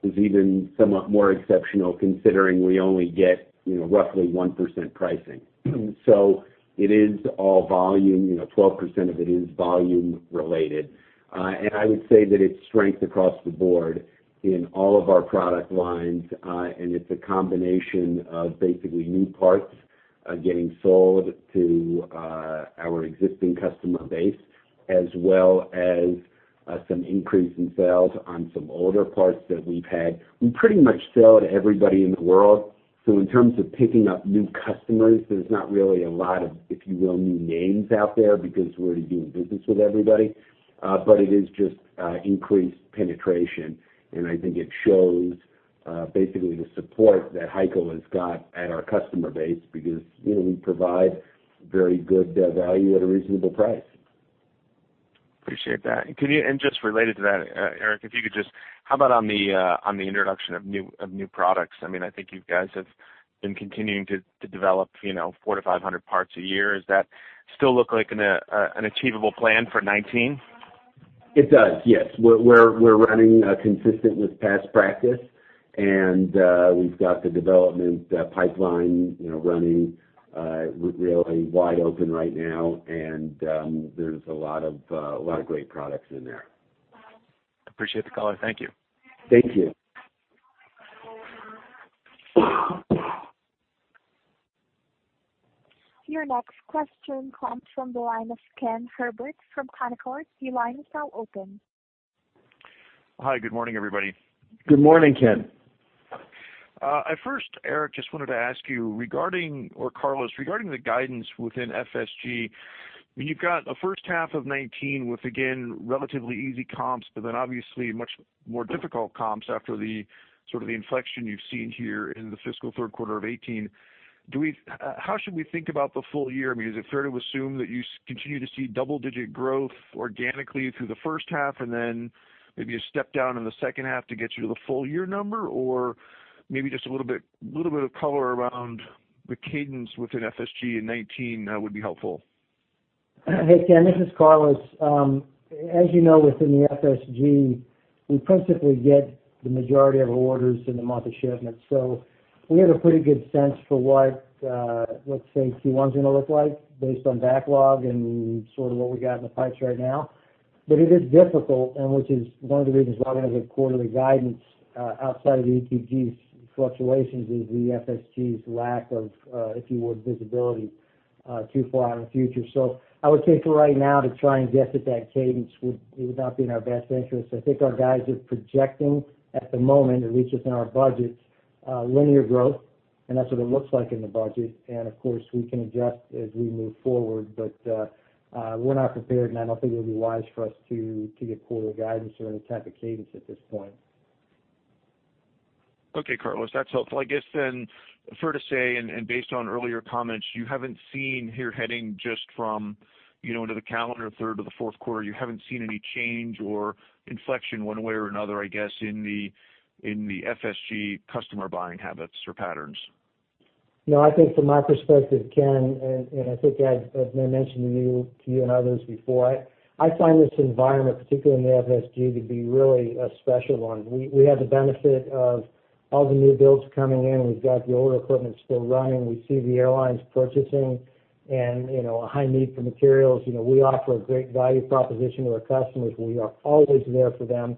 is even somewhat more exceptional considering we only get, you know, roughly 1% pricing. It is all volume, you know, 12% of it is volume related. I would say that it's strength across the board in all of our product lines. It's a combination of basically new parts getting sold to our existing customer base as well as some increase in sales on some older parts that we've had. We pretty much sell to everybody in the world, so in terms of picking up new customers, there's not really a lot of, if you will, new names out there because we're already doing business with everybody. It is just increased penetration. I think it shows, basically the support that HEICO has got at our customer base because, you know, we provide very good, value at a reasonable price. Appreciate that. Just related to that, Eric, how about on the introduction of new products? I mean, I think you guys have been continuing to develop, you know, 400-500 parts a year. Is that still look like an achievable plan for 2019? It does, yes. We're running consistent with past practice, and we've got the development pipeline, you know, running really wide open right now, and there's a lot of great products in there. Appreciate the color. Thank you. Thank you. Your next question comes from the line of Ken Herbert from Canaccord. Hi, good morning, everybody. Good morning, Ken. I first, Eric, just wanted to ask you, regarding or Carlos, regarding the guidance within FSG, when you've got a first half of 2019 with, again, relatively easy comps, but then obviously much more difficult comps after the sort of the inflection you've seen here in the fiscal third quarter of 2018, do we, how should we think about the full-year? I mean, is it fair to assume that you continue to see double-digit growth organically through the first half and then maybe a step down in the second half to get you to the full-year number? Maybe just a little bit, little bit of color around the cadence within FSG in 2019 would be helpful. Hey, Ken, this is Carlos. As you know, within the FSG, we principally get the majority of our orders in the month of shipment. We have a pretty good sense for what, let's say Q1's going to look like based on backlog and sort of what we got in the pipes right now. It is difficult, and which is one of the reasons why we don't have a quarterly guidance, outside of the ETG's fluctuations is the FSG's lack of, if you would, visibility, too far in the future. I would say for right now to try and guess at that cadence would not be in our best interest. I think our guys are projecting at the moment, at least just in our budgets, linear growth, and that's what it looks like in the budget. Of course, we can adjust as we move forward. We're not prepared, and I don't think it would be wise for us to give quarterly guidance or any type of cadence at this point. Okay, Carlos, that's helpful. I guess then fair to say, and based on earlier comments, you haven't seen here heading just from, you know, into the calendar third to the fourth quarter, you haven't seen any change or inflection one way or another, I guess, in the FSG customer buying habits or patterns? I think from my perspective, Ken, and I think I, as I mentioned to you and others before, I find this environment, particularly in the FSG, to be really a special one. We have the benefit of all the new builds coming in. We've got the older equipment still running. We see the airlines purchasing and, you know, a high need for materials. You know, we offer a great value proposition to our customers. We are always there for them.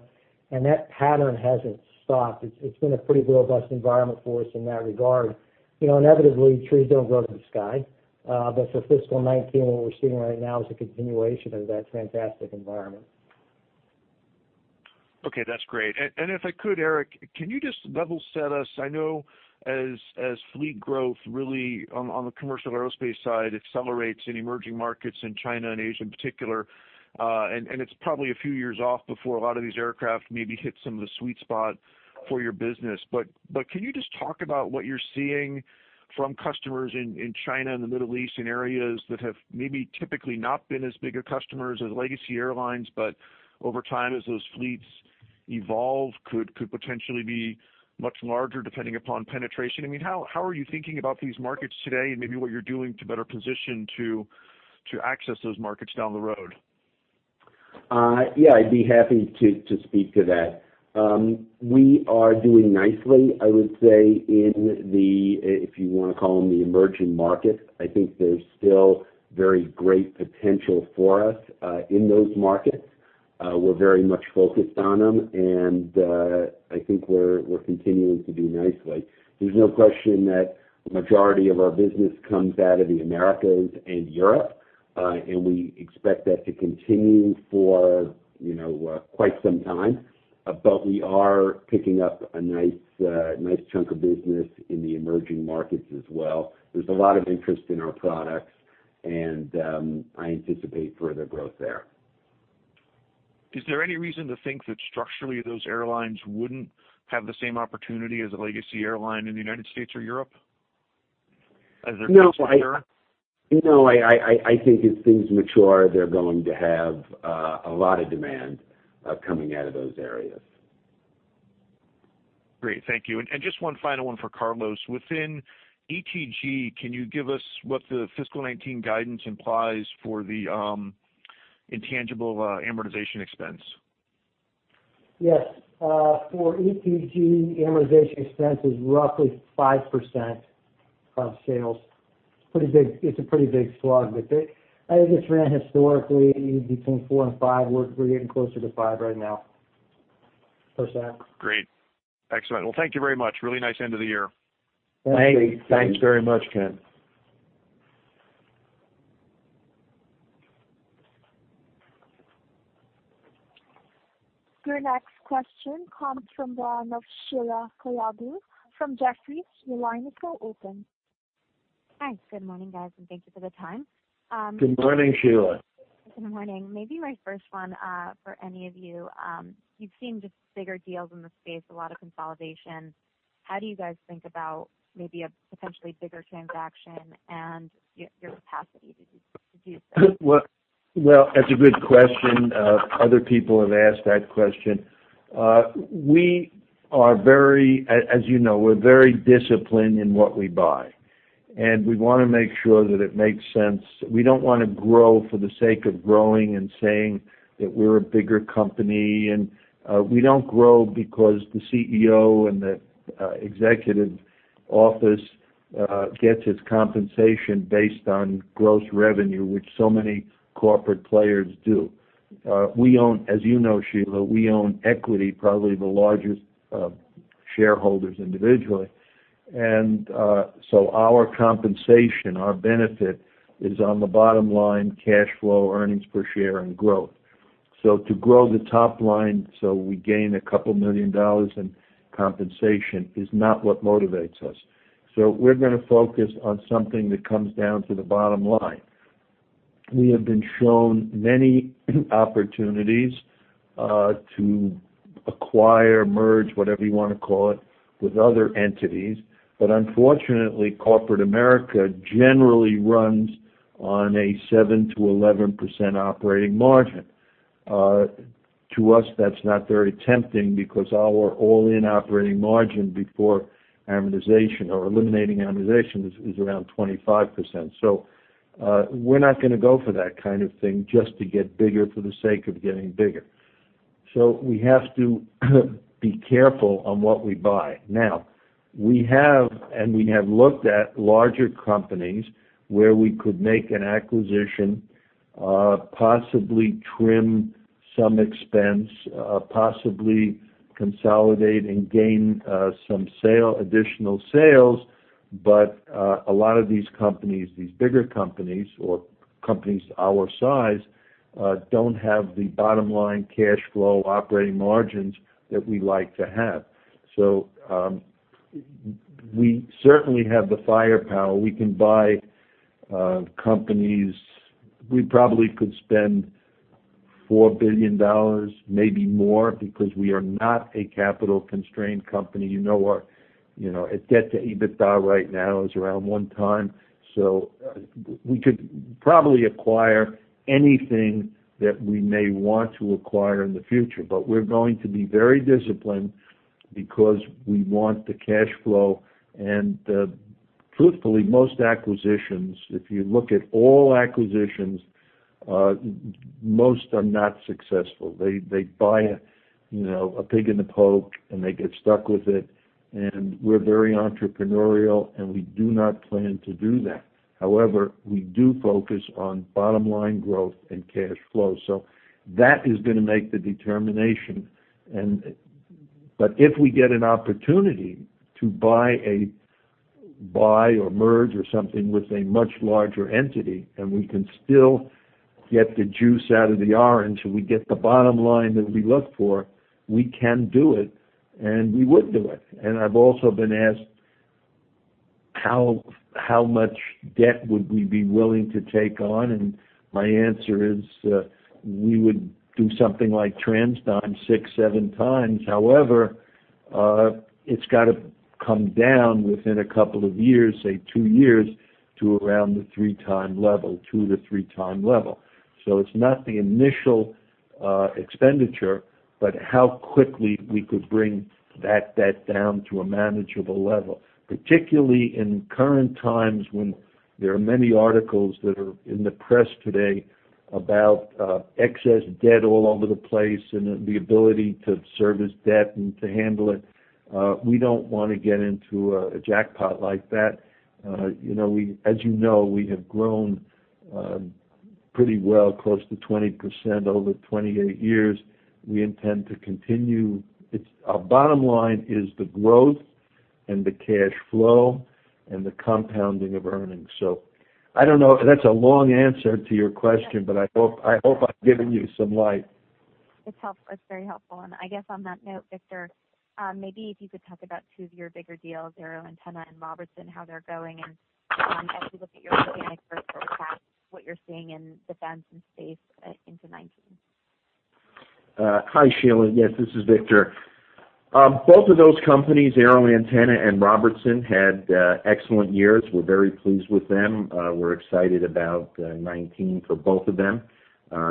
That pattern hasn't stopped. It's been a pretty robust environment for us in that regard. You know, inevitably, trees don't grow to the sky. For fiscal 19, what we're seeing right now is a continuation of that fantastic environment. Okay, that's great. If I could, Eric, can you just level set us? I know as fleet growth really on the commercial aerospace side accelerates in emerging markets in China and Asia in particular, and it's probably a few years off before a lot of these aircraft maybe hit some of the sweet spot for your business. Can you just talk about what you're seeing from customers in China and the Middle East, in areas that have maybe typically not been as big a customers as legacy airlines, but over time, as those fleets evolve could potentially be much larger depending upon penetration. I mean, how are you thinking about these markets today and maybe what you're doing to better position to access those markets down the road? Yeah, I'd be happy to speak to that. We are doing nicely, I would say, in the, if you wanna call them, the emerging markets. I think there's still very great potential for us in those markets. We're very much focused on them, and I think we're continuing to do nicely. There's no question that the majority of our business comes out of the Americas and Europe, and we expect that to continue for, you know, quite some time. We are picking up a nice chunk of business in the emerging markets as well. There's a lot of interest in our products, and I anticipate further growth there. Is there any reason to think that structurally those airlines wouldn't have the same opportunity as a legacy airline in the U.S. or Europe? No, I Enter Europe? No, I think as things mature, they're going to have a lot of demand coming out of those areas. Great. Thank you. Just one final one for Carlos. Within ETG, can you give us what the fiscal 2019 guidance implies for the intangible amortization expense? Yes. For ETG, amortization expense is roughly 5% of sales. It's a pretty big slug. I think it's ran historically between four and five. We're getting closer to five right now, so it's that. Great. Excellent. Well, thank you very much. Really nice end of the year. Thanks. Thank you. Thanks very much, Ken. Your next question comes from the line of Sheila Kahyaoglu from Jefferies. Your line is now open. Hi. Good morning, guys, and thank you for the time. Good morning, Sheila. Good morning. Maybe my first one for any of you've seen just bigger deals in the space, a lot of consolidation. How do you guys think about maybe a potentially bigger transaction and your capacity to do so? Well, that's a good question. Other people have asked that question. We are very as you know, we're very disciplined in what we buy, and we want to make sure that it makes sense. We don't want to grow for the sake of growing and saying that we're a bigger company. We don't grow because the CEO and the executive office gets its compensation based on gross revenue, which so many corporate players do. We own, as you know, Sheila, we own equity, probably the largest shareholders individually. Our compensation, our benefit is on the bottom line, cash flow, earnings per share, and growth. To grow the top line so we gain $2 million in compensation is not what motivates us. We're going to focus on something that comes down to the bottom line. We have been shown many opportunities to acquire, merge, whatever you want to call it, with other entities. Unfortunately, corporate America generally runs on a 7%-11% operating margin. To us, that's not very tempting because our all-in operating margin before amortization or eliminating amortization is around 25%. We're not going to go for that kind of thing just to get bigger for the sake of getting bigger. We have to be careful on what we buy. We have looked at larger companies where we could make an acquisition, possibly trim some expense, possibly consolidate and gain some sale, additional sales. A lot of these companies, these bigger companies or companies our size, don't have the bottom line cash flow operating margins that we like to have. We certainly have the firepower. We can buy companies. We probably could spend $4 billion, maybe more, because we are not a capital-constrained company. You know our, you know, its debt to EBITDA right now is around 1 time. We could probably acquire anything that we may want to acquire in the future. We're going to be very disciplined because we want the cash flow. Truthfully, most acquisitions, if you look at all acquisitions, most are not successful. They buy a, you know, a pig in the poke, and they get stuck with it. We're very entrepreneurial, and we do not plan to do that. However, we do focus on bottom line growth and cash flow. That is gonna make the determination. If we get an opportunity to buy or merge or something with a much larger entity, and we can still get the juice out of the orange, and we get the bottom line that we look for, we can do it, and we would do it. I've also been asked how much debt would we be willing to take on, and my answer is, we would do something like TransDigm 6, 7x. It's gotta come down within a couple of years, say two years, to around the 3-time level, 2-3-time level. It's not the initial expenditure, but how quickly we could bring that debt down to a manageable level, particularly in current times when there are many articles that are in the press today about excess debt all over the place and the ability to service debt and to handle it. We don't wanna get into a jackpot like that. You know, as you know, we have grown pretty well, close to 20% over 28 years. We intend to continue. It's Our bottom line is the growth and the cash flow and the compounding of earnings. I don't know. That's a long answer to your question, but I hope, I hope I've given you some light. It's very helpful. I guess on that note, Victor, maybe if you could talk about two of your bigger deals, AeroAntenna and Robertson, how they're going, and as you look at your organic growth for the past, what you're seeing in defense and space into 2019. Hi, Sheila. Yes, this is Victor. Both of those companies, AeroAntenna and Robertson, had excellent years. We're very pleased with them. We're excited about 2019 for both of them.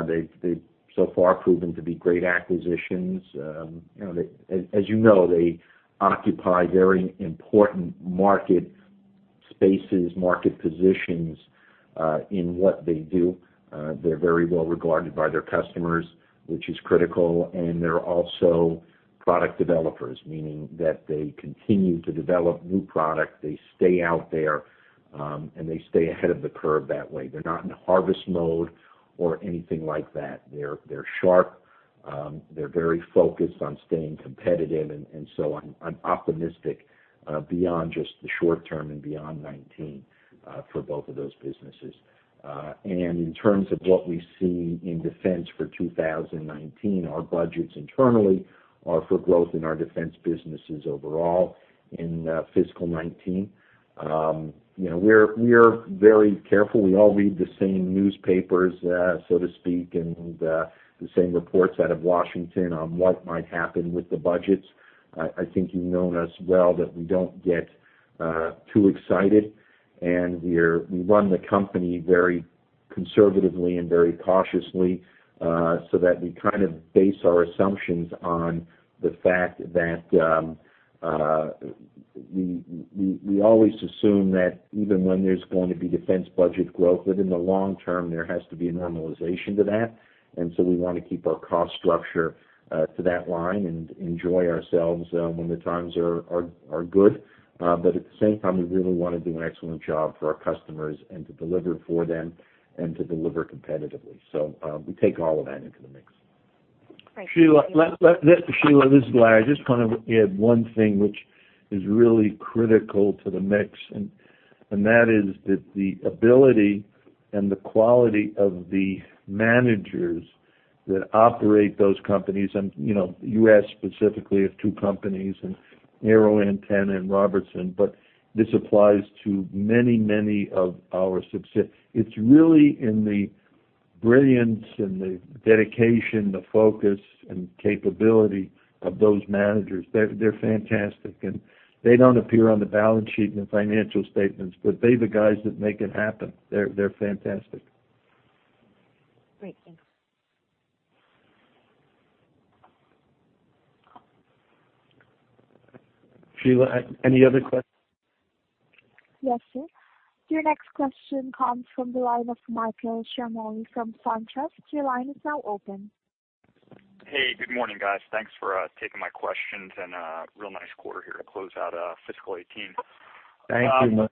They've so far proven to be great acquisitions. You know, as you know, they occupy very important market spaces, market positions, in what they do. They're very well regarded by their customers, which is critical, and they're also product developers, meaning that they continue to develop new product. They stay out there, they stay ahead of the curve that way. They're not in harvest mode or anything like that. They're sharp. They're very focused on staying competitive. I'm optimistic, beyond just the short term and beyond 2019, for both of those businesses. In terms of what we see in defense for 2019, our budgets internally are for growth in our defense businesses overall in fiscal 2019. You know, we're very careful. We all read the same newspapers, so to speak, and the same reports out of Washington on what might happen with the budgets. I think you know us well, that we don't get too excited, and we run the company very conservatively and very cautiously, so that we kind of base our assumptions on the fact that we always assume that even when there's going to be defense budget growth, that in the long term, there has to be a normalization to that. We wanna keep our cost structure to that line and enjoy ourselves when the times are good. At the same time, we really wanna do an excellent job for our customers and to deliver for them and to deliver competitively. We take all of that into the mix. Great. Thank you. Sheila, let Sheila, this is Laurans. I just wanna add one thing which is really critical to the mix, and that is the ability and the quality of the managers that operate those companies. You know, you asked specifically of two companies, AeroAntenna and Robertson, but this applies to many of our success. It's really in the brilliance and the dedication, the focus, and capability of those managers. They're fantastic, and they don't appear on the balance sheet and financial statements, but they're the guys that make it happen. They're fantastic. Great. Thanks. Sheila, Yes, sir. Your next question comes from the line of Michael Ciarmoli from SunTrust. Your line is now open. Hey, good morning, guys. Thanks for taking my questions, and real nice quarter here to close out fiscal 2018. Thank you, Mike.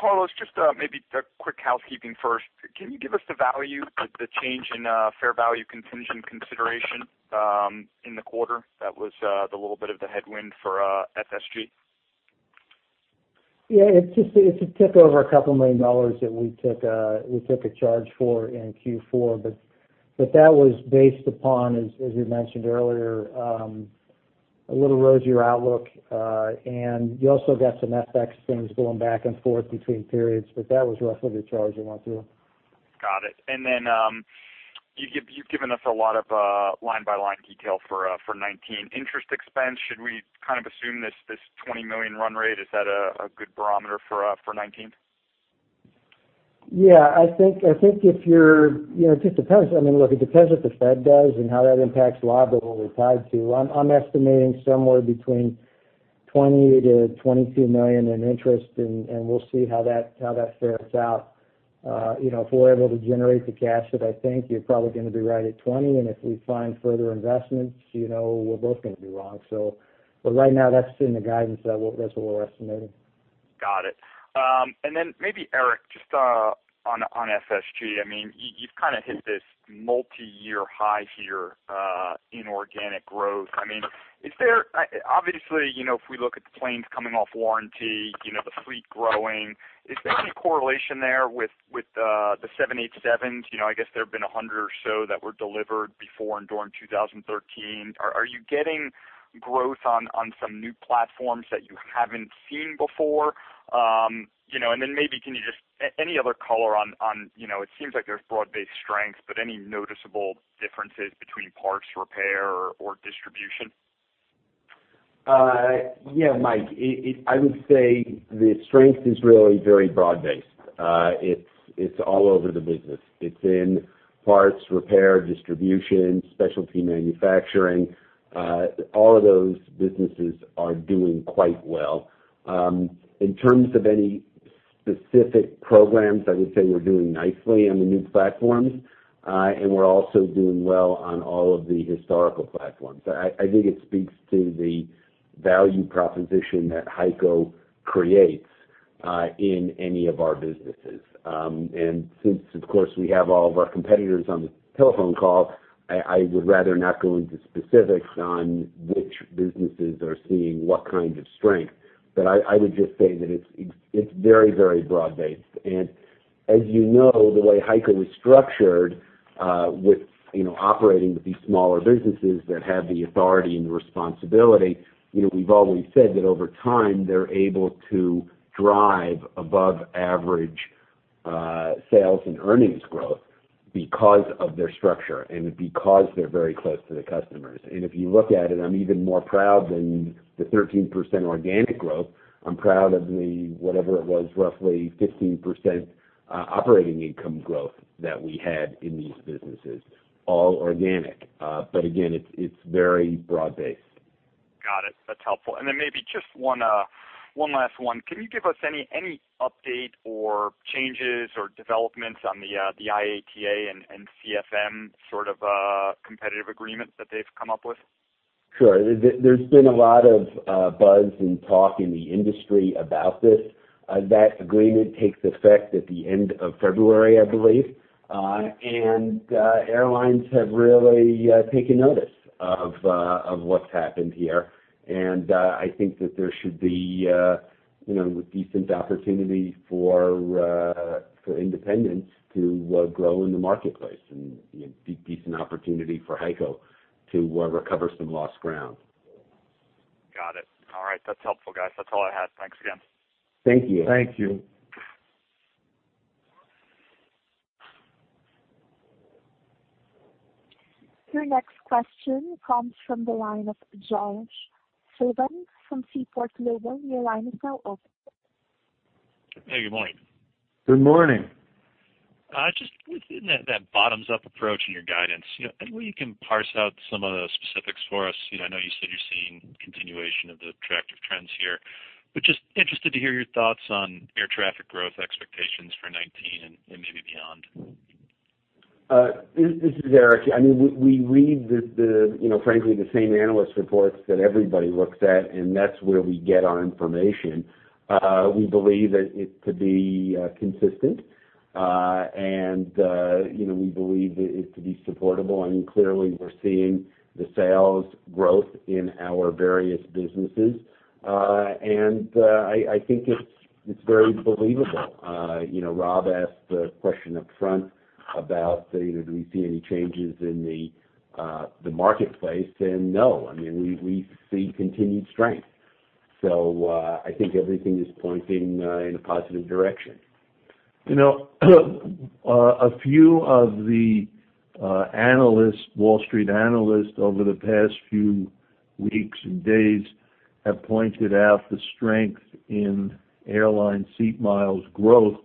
Carlos, just, maybe a quick housekeeping first. Can you give us the value, the change in fair value contingent consideration in the quarter? That was the little bit of the headwind for FSG. It's just a tick over a couple million dollars that we took a charge for in Q4. That was based upon, as we mentioned earlier, a little rosier outlook. You also got some FX things going back and forth between periods, but that was roughly the charge we went through. Got it. Then, you've given us a lot of line-by-line detail for 2019. Interest expense, should we kind of assume this $20 million run rate? Is that a good barometer for 2019? Yeah. I think if you're, you know, it just depends. I mean, look, it depends what the Fed does and how that impacts liability tied to. I'm estimating somewhere between $20 million to $22 million in interest, and we'll see how that, how that fares out. You know, if we're able to generate the cash that I think, you're probably gonna be right at $20 million, and if we find further investments, you know, we're both gonna be wrong. But right now, that's in the guidance. That's what we're estimating. Got it. Then maybe Eric, just on FSG. I mean, you've kinda hit this multiyear high here in organic growth. I mean, is there obviously, you know, if we look at the planes coming off warranty, you know, the fleet growing, is there any correlation there with the 787s? You know, I guess there have been 100 or so that were delivered before and during 2013. Are you getting growth on some new platforms that you haven't seen before? You know, then maybe can you just any other color on, you know, it seems like there's broad-based strength, but any noticeable differences between parts repair or distribution? Yeah, Mike, it I would say the strength is really very broad-based. It's, it's all over the business. It's in parts, repair, distribution, specialty manufacturing. All of those businesses are doing quite well. In terms of any specific programs, I would say we're doing nicely on the new platforms, and we're also doing well on all of the historical platforms. I think it speaks to the value proposition that HEICO creates in any of our businesses. Since, of course, we have all of our competitors on the telephone call, I would rather not go into specifics on which businesses are seeing what kind of strength. I would just say that it's very, very broad-based. As you know, the way HEICO is structured, with, you know, operating with these smaller businesses that have the authority and the responsibility, you know, we've always said that over time, they're able to drive above average sales and earnings growth because of their structure and because they're very close to the customers. If you look at it, I'm even more proud than the 13% organic growth. I'm proud of the, whatever it was, roughly 15% operating income growth that we had in these businesses, all organic. Again, it's very broad-based. Got it. That's helpful. Maybe just one last one. Can you give us any update or changes or developments on the IATA and CFM sort of competitive agreements that they've come up with? Sure. There's been a lot of buzz and talk in the industry about this. That agreement takes effect at the end of February, I believe. And airlines have really taken notice of what's happened here. I think that there should be, you know, decent opportunity for independents to grow in the marketplace and, you know, decent opportunity for HEICO to recover some lost ground. Got it. All right. That's helpful, guys. That's all I had. Thanks again. Thank you. Thank you. Your next question comes from the line of Josh Sullivan from Seaport Global. Your line is now open. Hey, good morning. Good morning. Just within that bottoms-up approach in your guidance, you know, any way you can parse out some of the specifics for us? You know, I know you said you're seeing continuation of the attractive trends here, just interested to hear your thoughts on air traffic growth expectations for 2019 and maybe beyond. This is Eric. I mean, we read the, you know, frankly, the same analyst reports that everybody looks at, and that's where we get our information. We believe that it to be consistent. You know, we believe it to be supportable. I mean, clearly we're seeing the sales growth in our various businesses. I think it's very believable. You know, Rob asked the question up front about, you know, do we see any changes in the marketplace? No, I mean, we see continued strength. I think everything is pointing in a positive direction. You know, a few of the analysts, Wall Street analysts over the past few weeks and days have pointed out the strength in airline seat miles growth,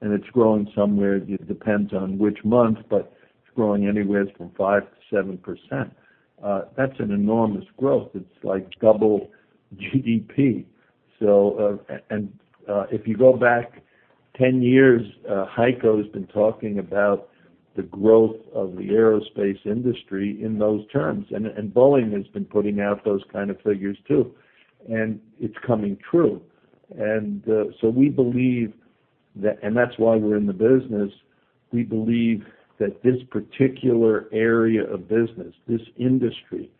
and it's growing somewhere, it depends on which month, but it's growing anywhere from 5%-7%. That's an enormous growth. It's like double GDP. If you go back 10 years, HEICO has been talking about the growth of the aerospace industry in those terms. Boeing has been putting out those kind of figures too, and it's coming true. That's why we're in the business. We believe that this particular area of business, this industry,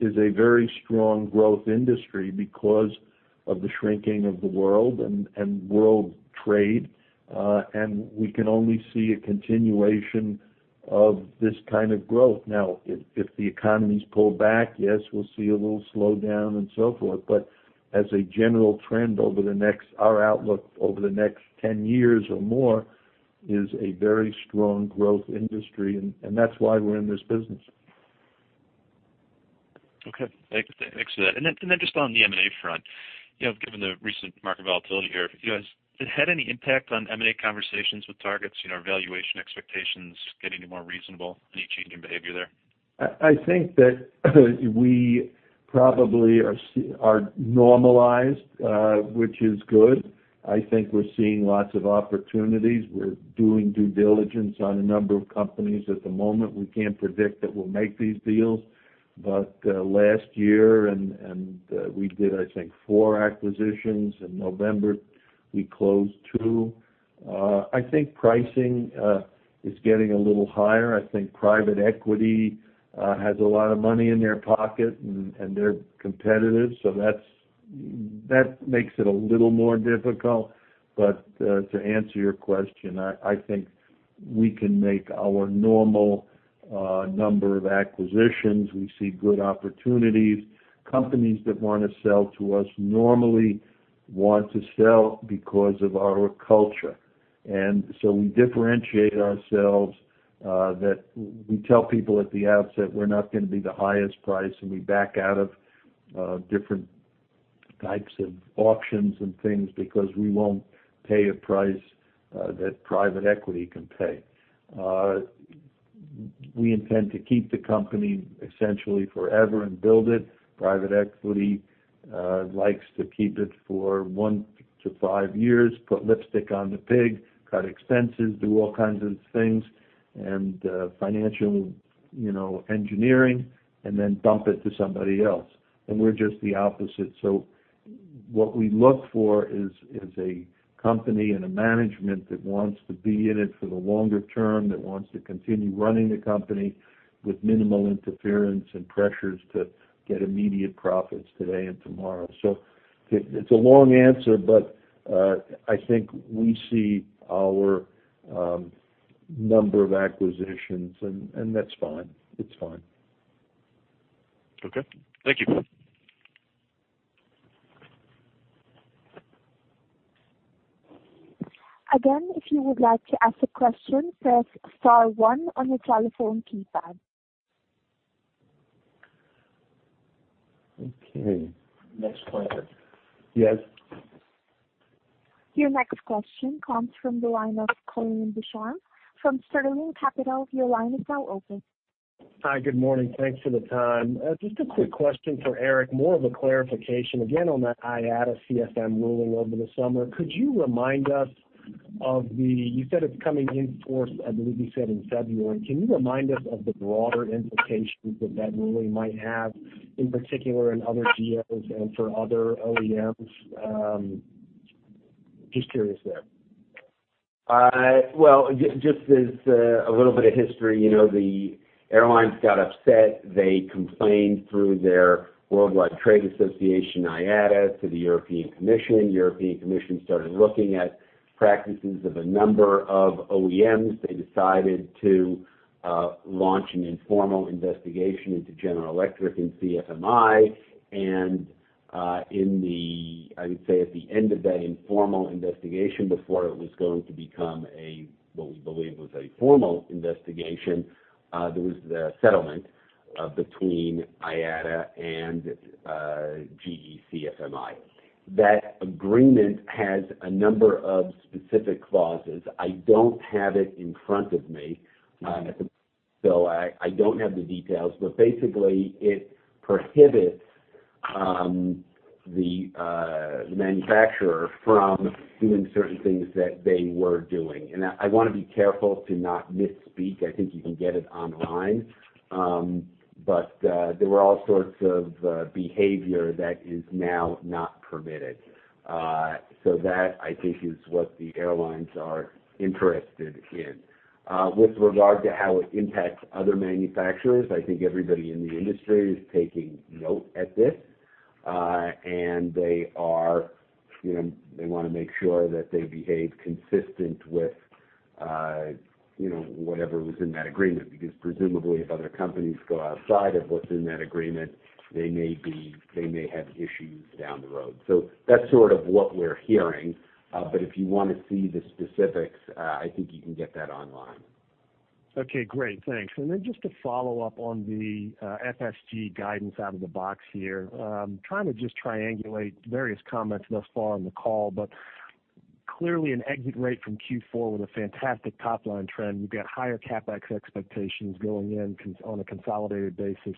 is a very strong growth industry because of the shrinking of the world and world trade. We can only see a continuation of this kind of growth. If the economies pull back, yes, we'll see a little slowdown and so forth. As a general trend, our outlook over the next 10 years or more is a very strong growth industry, and that's why we're in this business. Okay. Thank you. Thanks for that. Just on the M&A front, you know, given the recent market volatility here, have you guys had any impact on M&A conversations with targets? You know, are valuation expectations getting any more reasonable? Any change in behavior there? I think that we probably are normalized, which is good. I think we're seeing lots of opportunities. We're doing due diligence on a number of companies at the moment. We can't predict that we'll make these deals, last year and we did, I think, four acquisitions. In November, we closed two. I think pricing is getting a little higher. I think private equity has a lot of money in their pocket and they're competitive. That makes it a little more difficult. To answer your question, I think we can make our normal number of acquisitions. We see good opportunities. Companies that wanna sell to us normally want to sell because of our culture. We differentiate ourselves that we tell people at the outset, we're not gonna be the highest price, and we back out of different types of auctions and things because we won't pay a price that private equity can pay. We intend to keep the company essentially forever and build it. Private equity likes to keep it for one to five years, put lipstick on the pig, cut expenses, do all kinds of things and financial, you know, engineering, and then dump it to somebody else. We're just the opposite. What we look for is a company and a management that wants to be in it for the longer term, that wants to continue running the company with minimal interference and pressures to get immediate profits today and tomorrow. It's a long answer, but I think we see our number of acquisitions, and that's fine. It's fine. Okay. Thank you. Again, if you would like to ask a question, press star one on your telephone keypad. Okay. Next question. Yes. Your next question comes from the line of Colin Ducharme from Sterling Capital. Your line is now open. Hi, good morning. Thanks for the time. Just a quick question for Eric, more of a clarification, again, on that IATA-CFM ruling over the summer. Could you remind us of the You said it's coming in force, I believe you said in February. Can you remind us of the broader implications that that ruling might have, in particular, in other OEMs and for other OEMs? Just curious there. Well, just as a little bit of history, you know, the airlines got upset. They complained through their Worldwide Trade Association, IATA, to the European Commission. European Commission started looking at practices of a number of OEMs. They decided to launch an informal investigation into General Electric and CFMI. In the, I would say, at the end of that informal investigation, before it was going to become a, what we believe was a formal investigation, there was the settlement between IATA and GE CFMI. That agreement has a number of specific clauses. I don't have it in front of me, so I don't have the details, but basically it prohibits the manufacturer from doing certain things that they were doing. I want to be careful to not misspeak. I think you can get it online. There were all sorts of behavior that is now not permitted. That, I think, is what the airlines are interested in. With regard to how it impacts other manufacturers, I think everybody in the industry is taking note at this, and they are, you know, they wanna make sure that they behave consistent with, you know, whatever was in that agreement, because presumably, if other companies go outside of what's in that agreement, they may have issues down the road. That's sort of what we're hearing. If you wanna see the specifics, I think you can get that online. Okay, great. Thanks. Just to follow up on the FSG guidance out of the box here, trying to just triangulate various comments thus far on the call, clearly an exit rate from Q4 with a fantastic top-line trend. You've got higher CapEx expectations going in on a consolidated basis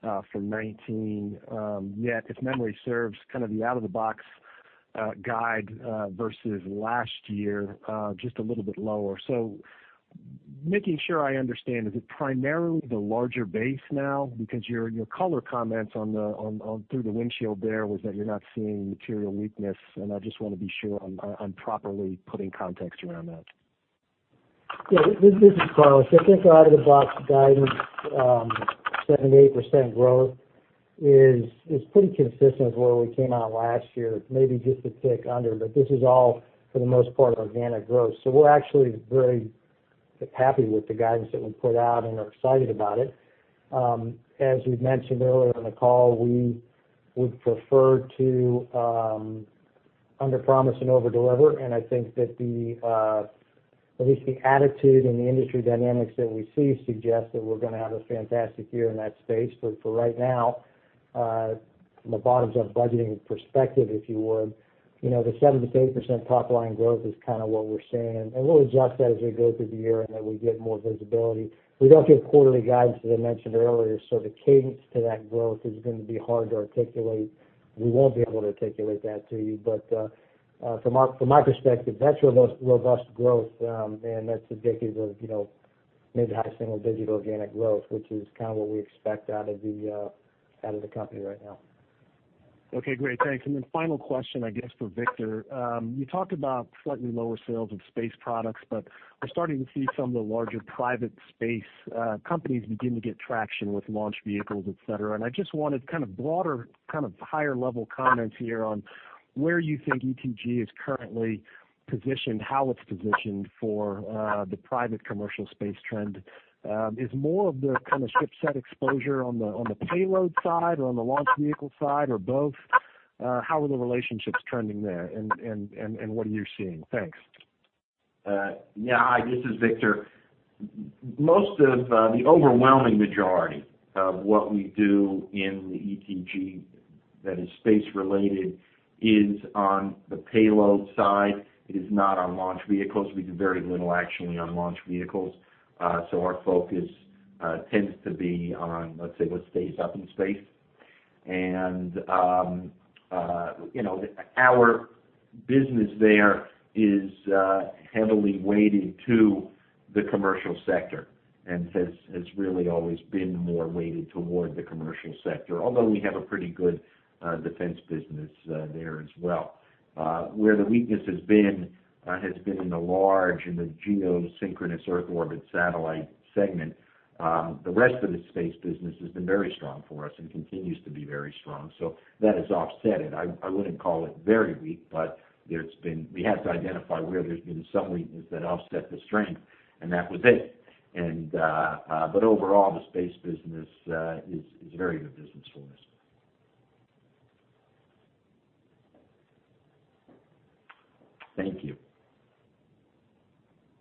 for 2019. If memory serves, kind of the out-of-the-box guide versus last year, just a little bit lower. Making sure I understand, is it primarily the larger base now? Your color comments through the windshield there was that you're not seeing material weakness, I just wanna be sure I'm properly putting context around that. This is Carlos. I think our out-of-the-box guidance, 7% to 8% growth is pretty consistent with where we came out last year. It's maybe just a tick under, this is all, for the most part, organic growth. We're actually very happy with the guidance that we put out and are excited about it. As we've mentioned earlier in the call, we would prefer to underpromise and overdeliver. I think that the at least the attitude and the industry dynamics that we see suggest that we're gonna have a fantastic year in that space. For right now, from the bottoms-up budgeting perspective, if you would, you know, the 7% to 8% top line growth is kinda what we're seeing. We'll adjust that as we go through the year and as we get more visibility. We don't give quarterly guidance, as I mentioned earlier, the cadence to that growth is going to be hard to articulate. We won't be able to articulate that to you. From my perspective, that's your most robust growth, and that's indicative of, you know, maybe high single-digit organic growth, which is kind of what we expect out of the company right now. Okay, great. Thanks. Final question, I guess, for Victor. You talked about slightly lower sales of space products, but we're starting to see some of the larger private space companies begin to get traction with launch vehicles, et cetera. I just wanted kind of broader, kind of higher level comments here on where you think ETG is currently positioned, how it's positioned for the private commercial space trend. Is more of the kind of shipset exposure on the payload side or on the launch vehicle side or both? How are the relationships trending there, and what are you seeing? Thanks. Yeah. Hi, this is Victor. Most of the overwhelming majority of what we do in the ETG that is space related is on the payload side. It is not on launch vehicles. We do very little actually on launch vehicles. So our focus tends to be on, let's say, what stays up in space. You know, our business there is heavily weighted to the commercial sector and has really always been more weighted toward the commercial sector, although we have a pretty good defense business there as well. Where the weakness has been has been in the large, in the geosynchronous Earth orbit satellite segment. The rest of the space business has been very strong for us and continues to be very strong. That has offset it. I wouldn't call it very weak, but we had to identify where there's been some weakness that offset the strength, and that was it. Overall, the space business is a very good business for us. Thank you.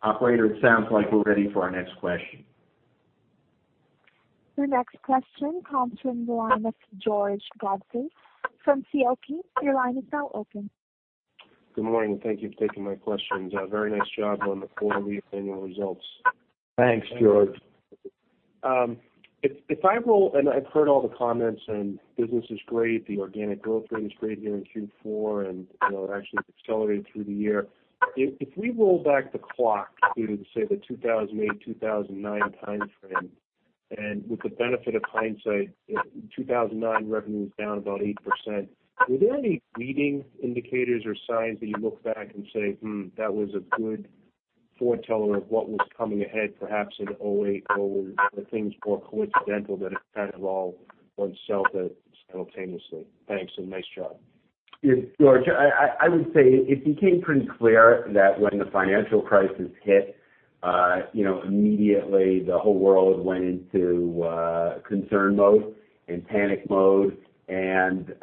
Operator, it sounds like we're ready for our next question. Your next question comes from the line of George Godfrey from C.L. King. Your line is now open. Good morning. Thank you for taking my questions. Very nice job on the quarterly and annual results. Thanks, George. If I roll. I've heard all the comments. Business is great, the organic growth rate is great here in Q4, and, you know, it actually accelerated through the year. If we roll back the clock to say the 2008, 2009 timeframe, with the benefit of hindsight, 2009 revenue was down about 8%, were there any leading indicators or signs that you look back and say, "Hmm, that was a good foreteller of what was coming ahead," perhaps in 2008? Were things more coincidental that it kind of all went south simultaneously? Thanks. Nice job. George, I would say it became pretty clear that when the financial crisis hit, you know, immediately the whole world went into concern mode and panic mode and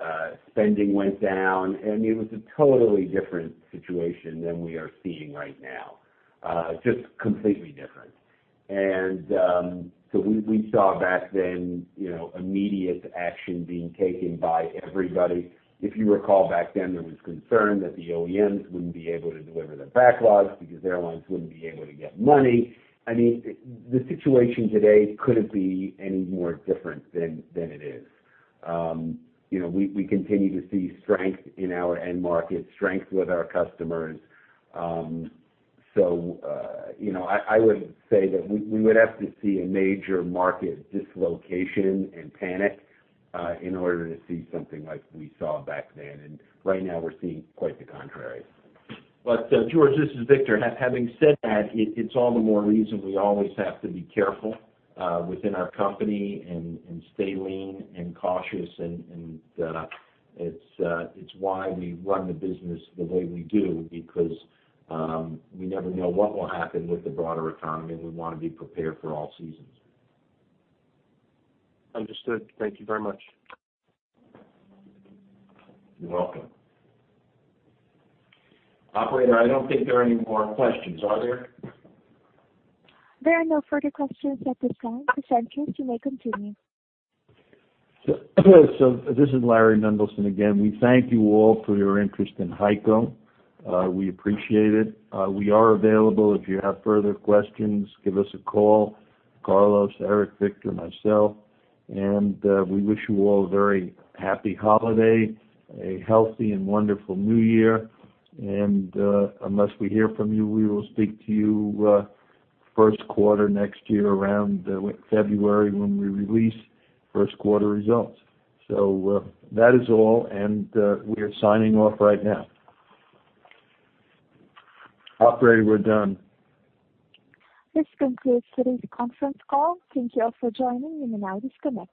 spending went down, and it was a totally different situation than we are seeing right now. Just completely different. We saw back then, you know, immediate action being taken by everybody. If you recall, back then there was concern that the OEMs wouldn't be able to deliver the backlogs because airlines wouldn't be able to get money. I mean, the situation today couldn't be any more different than it is. You know, we continue to see strength in our end market, strength with our customers. You know, I would say that we would have to see a major market dislocation and panic in order to see something like we saw back then. Right now we're seeing quite the contrary. George, this is Victor. Having said that, it's all the more reason we always have to be careful within our company and stay lean and cautious, and it's why we run the business the way we do because we never know what will happen with the broader economy. We wanna be prepared for all seasons. Understood. Thank you very much. You're welcome. Operator, I don't think there are any more questions, are there? There are no further questions at this time. Presenters, you may continue. This is Laurans Mendelson again. We thank you all for your interest in HEICO. We appreciate it. We are available. If you have further questions, give us a call, Carlos, Eric, Victor, myself. We wish you all a very happy holiday, a healthy and wonderful New Year. Unless we hear from you, we will speak to you, first quarter next year, around February when we release first quarter results. That is all, and we are signing off right now. Operator, we're done. This concludes today's conference call. Thank you all for joining. You may now disconnect.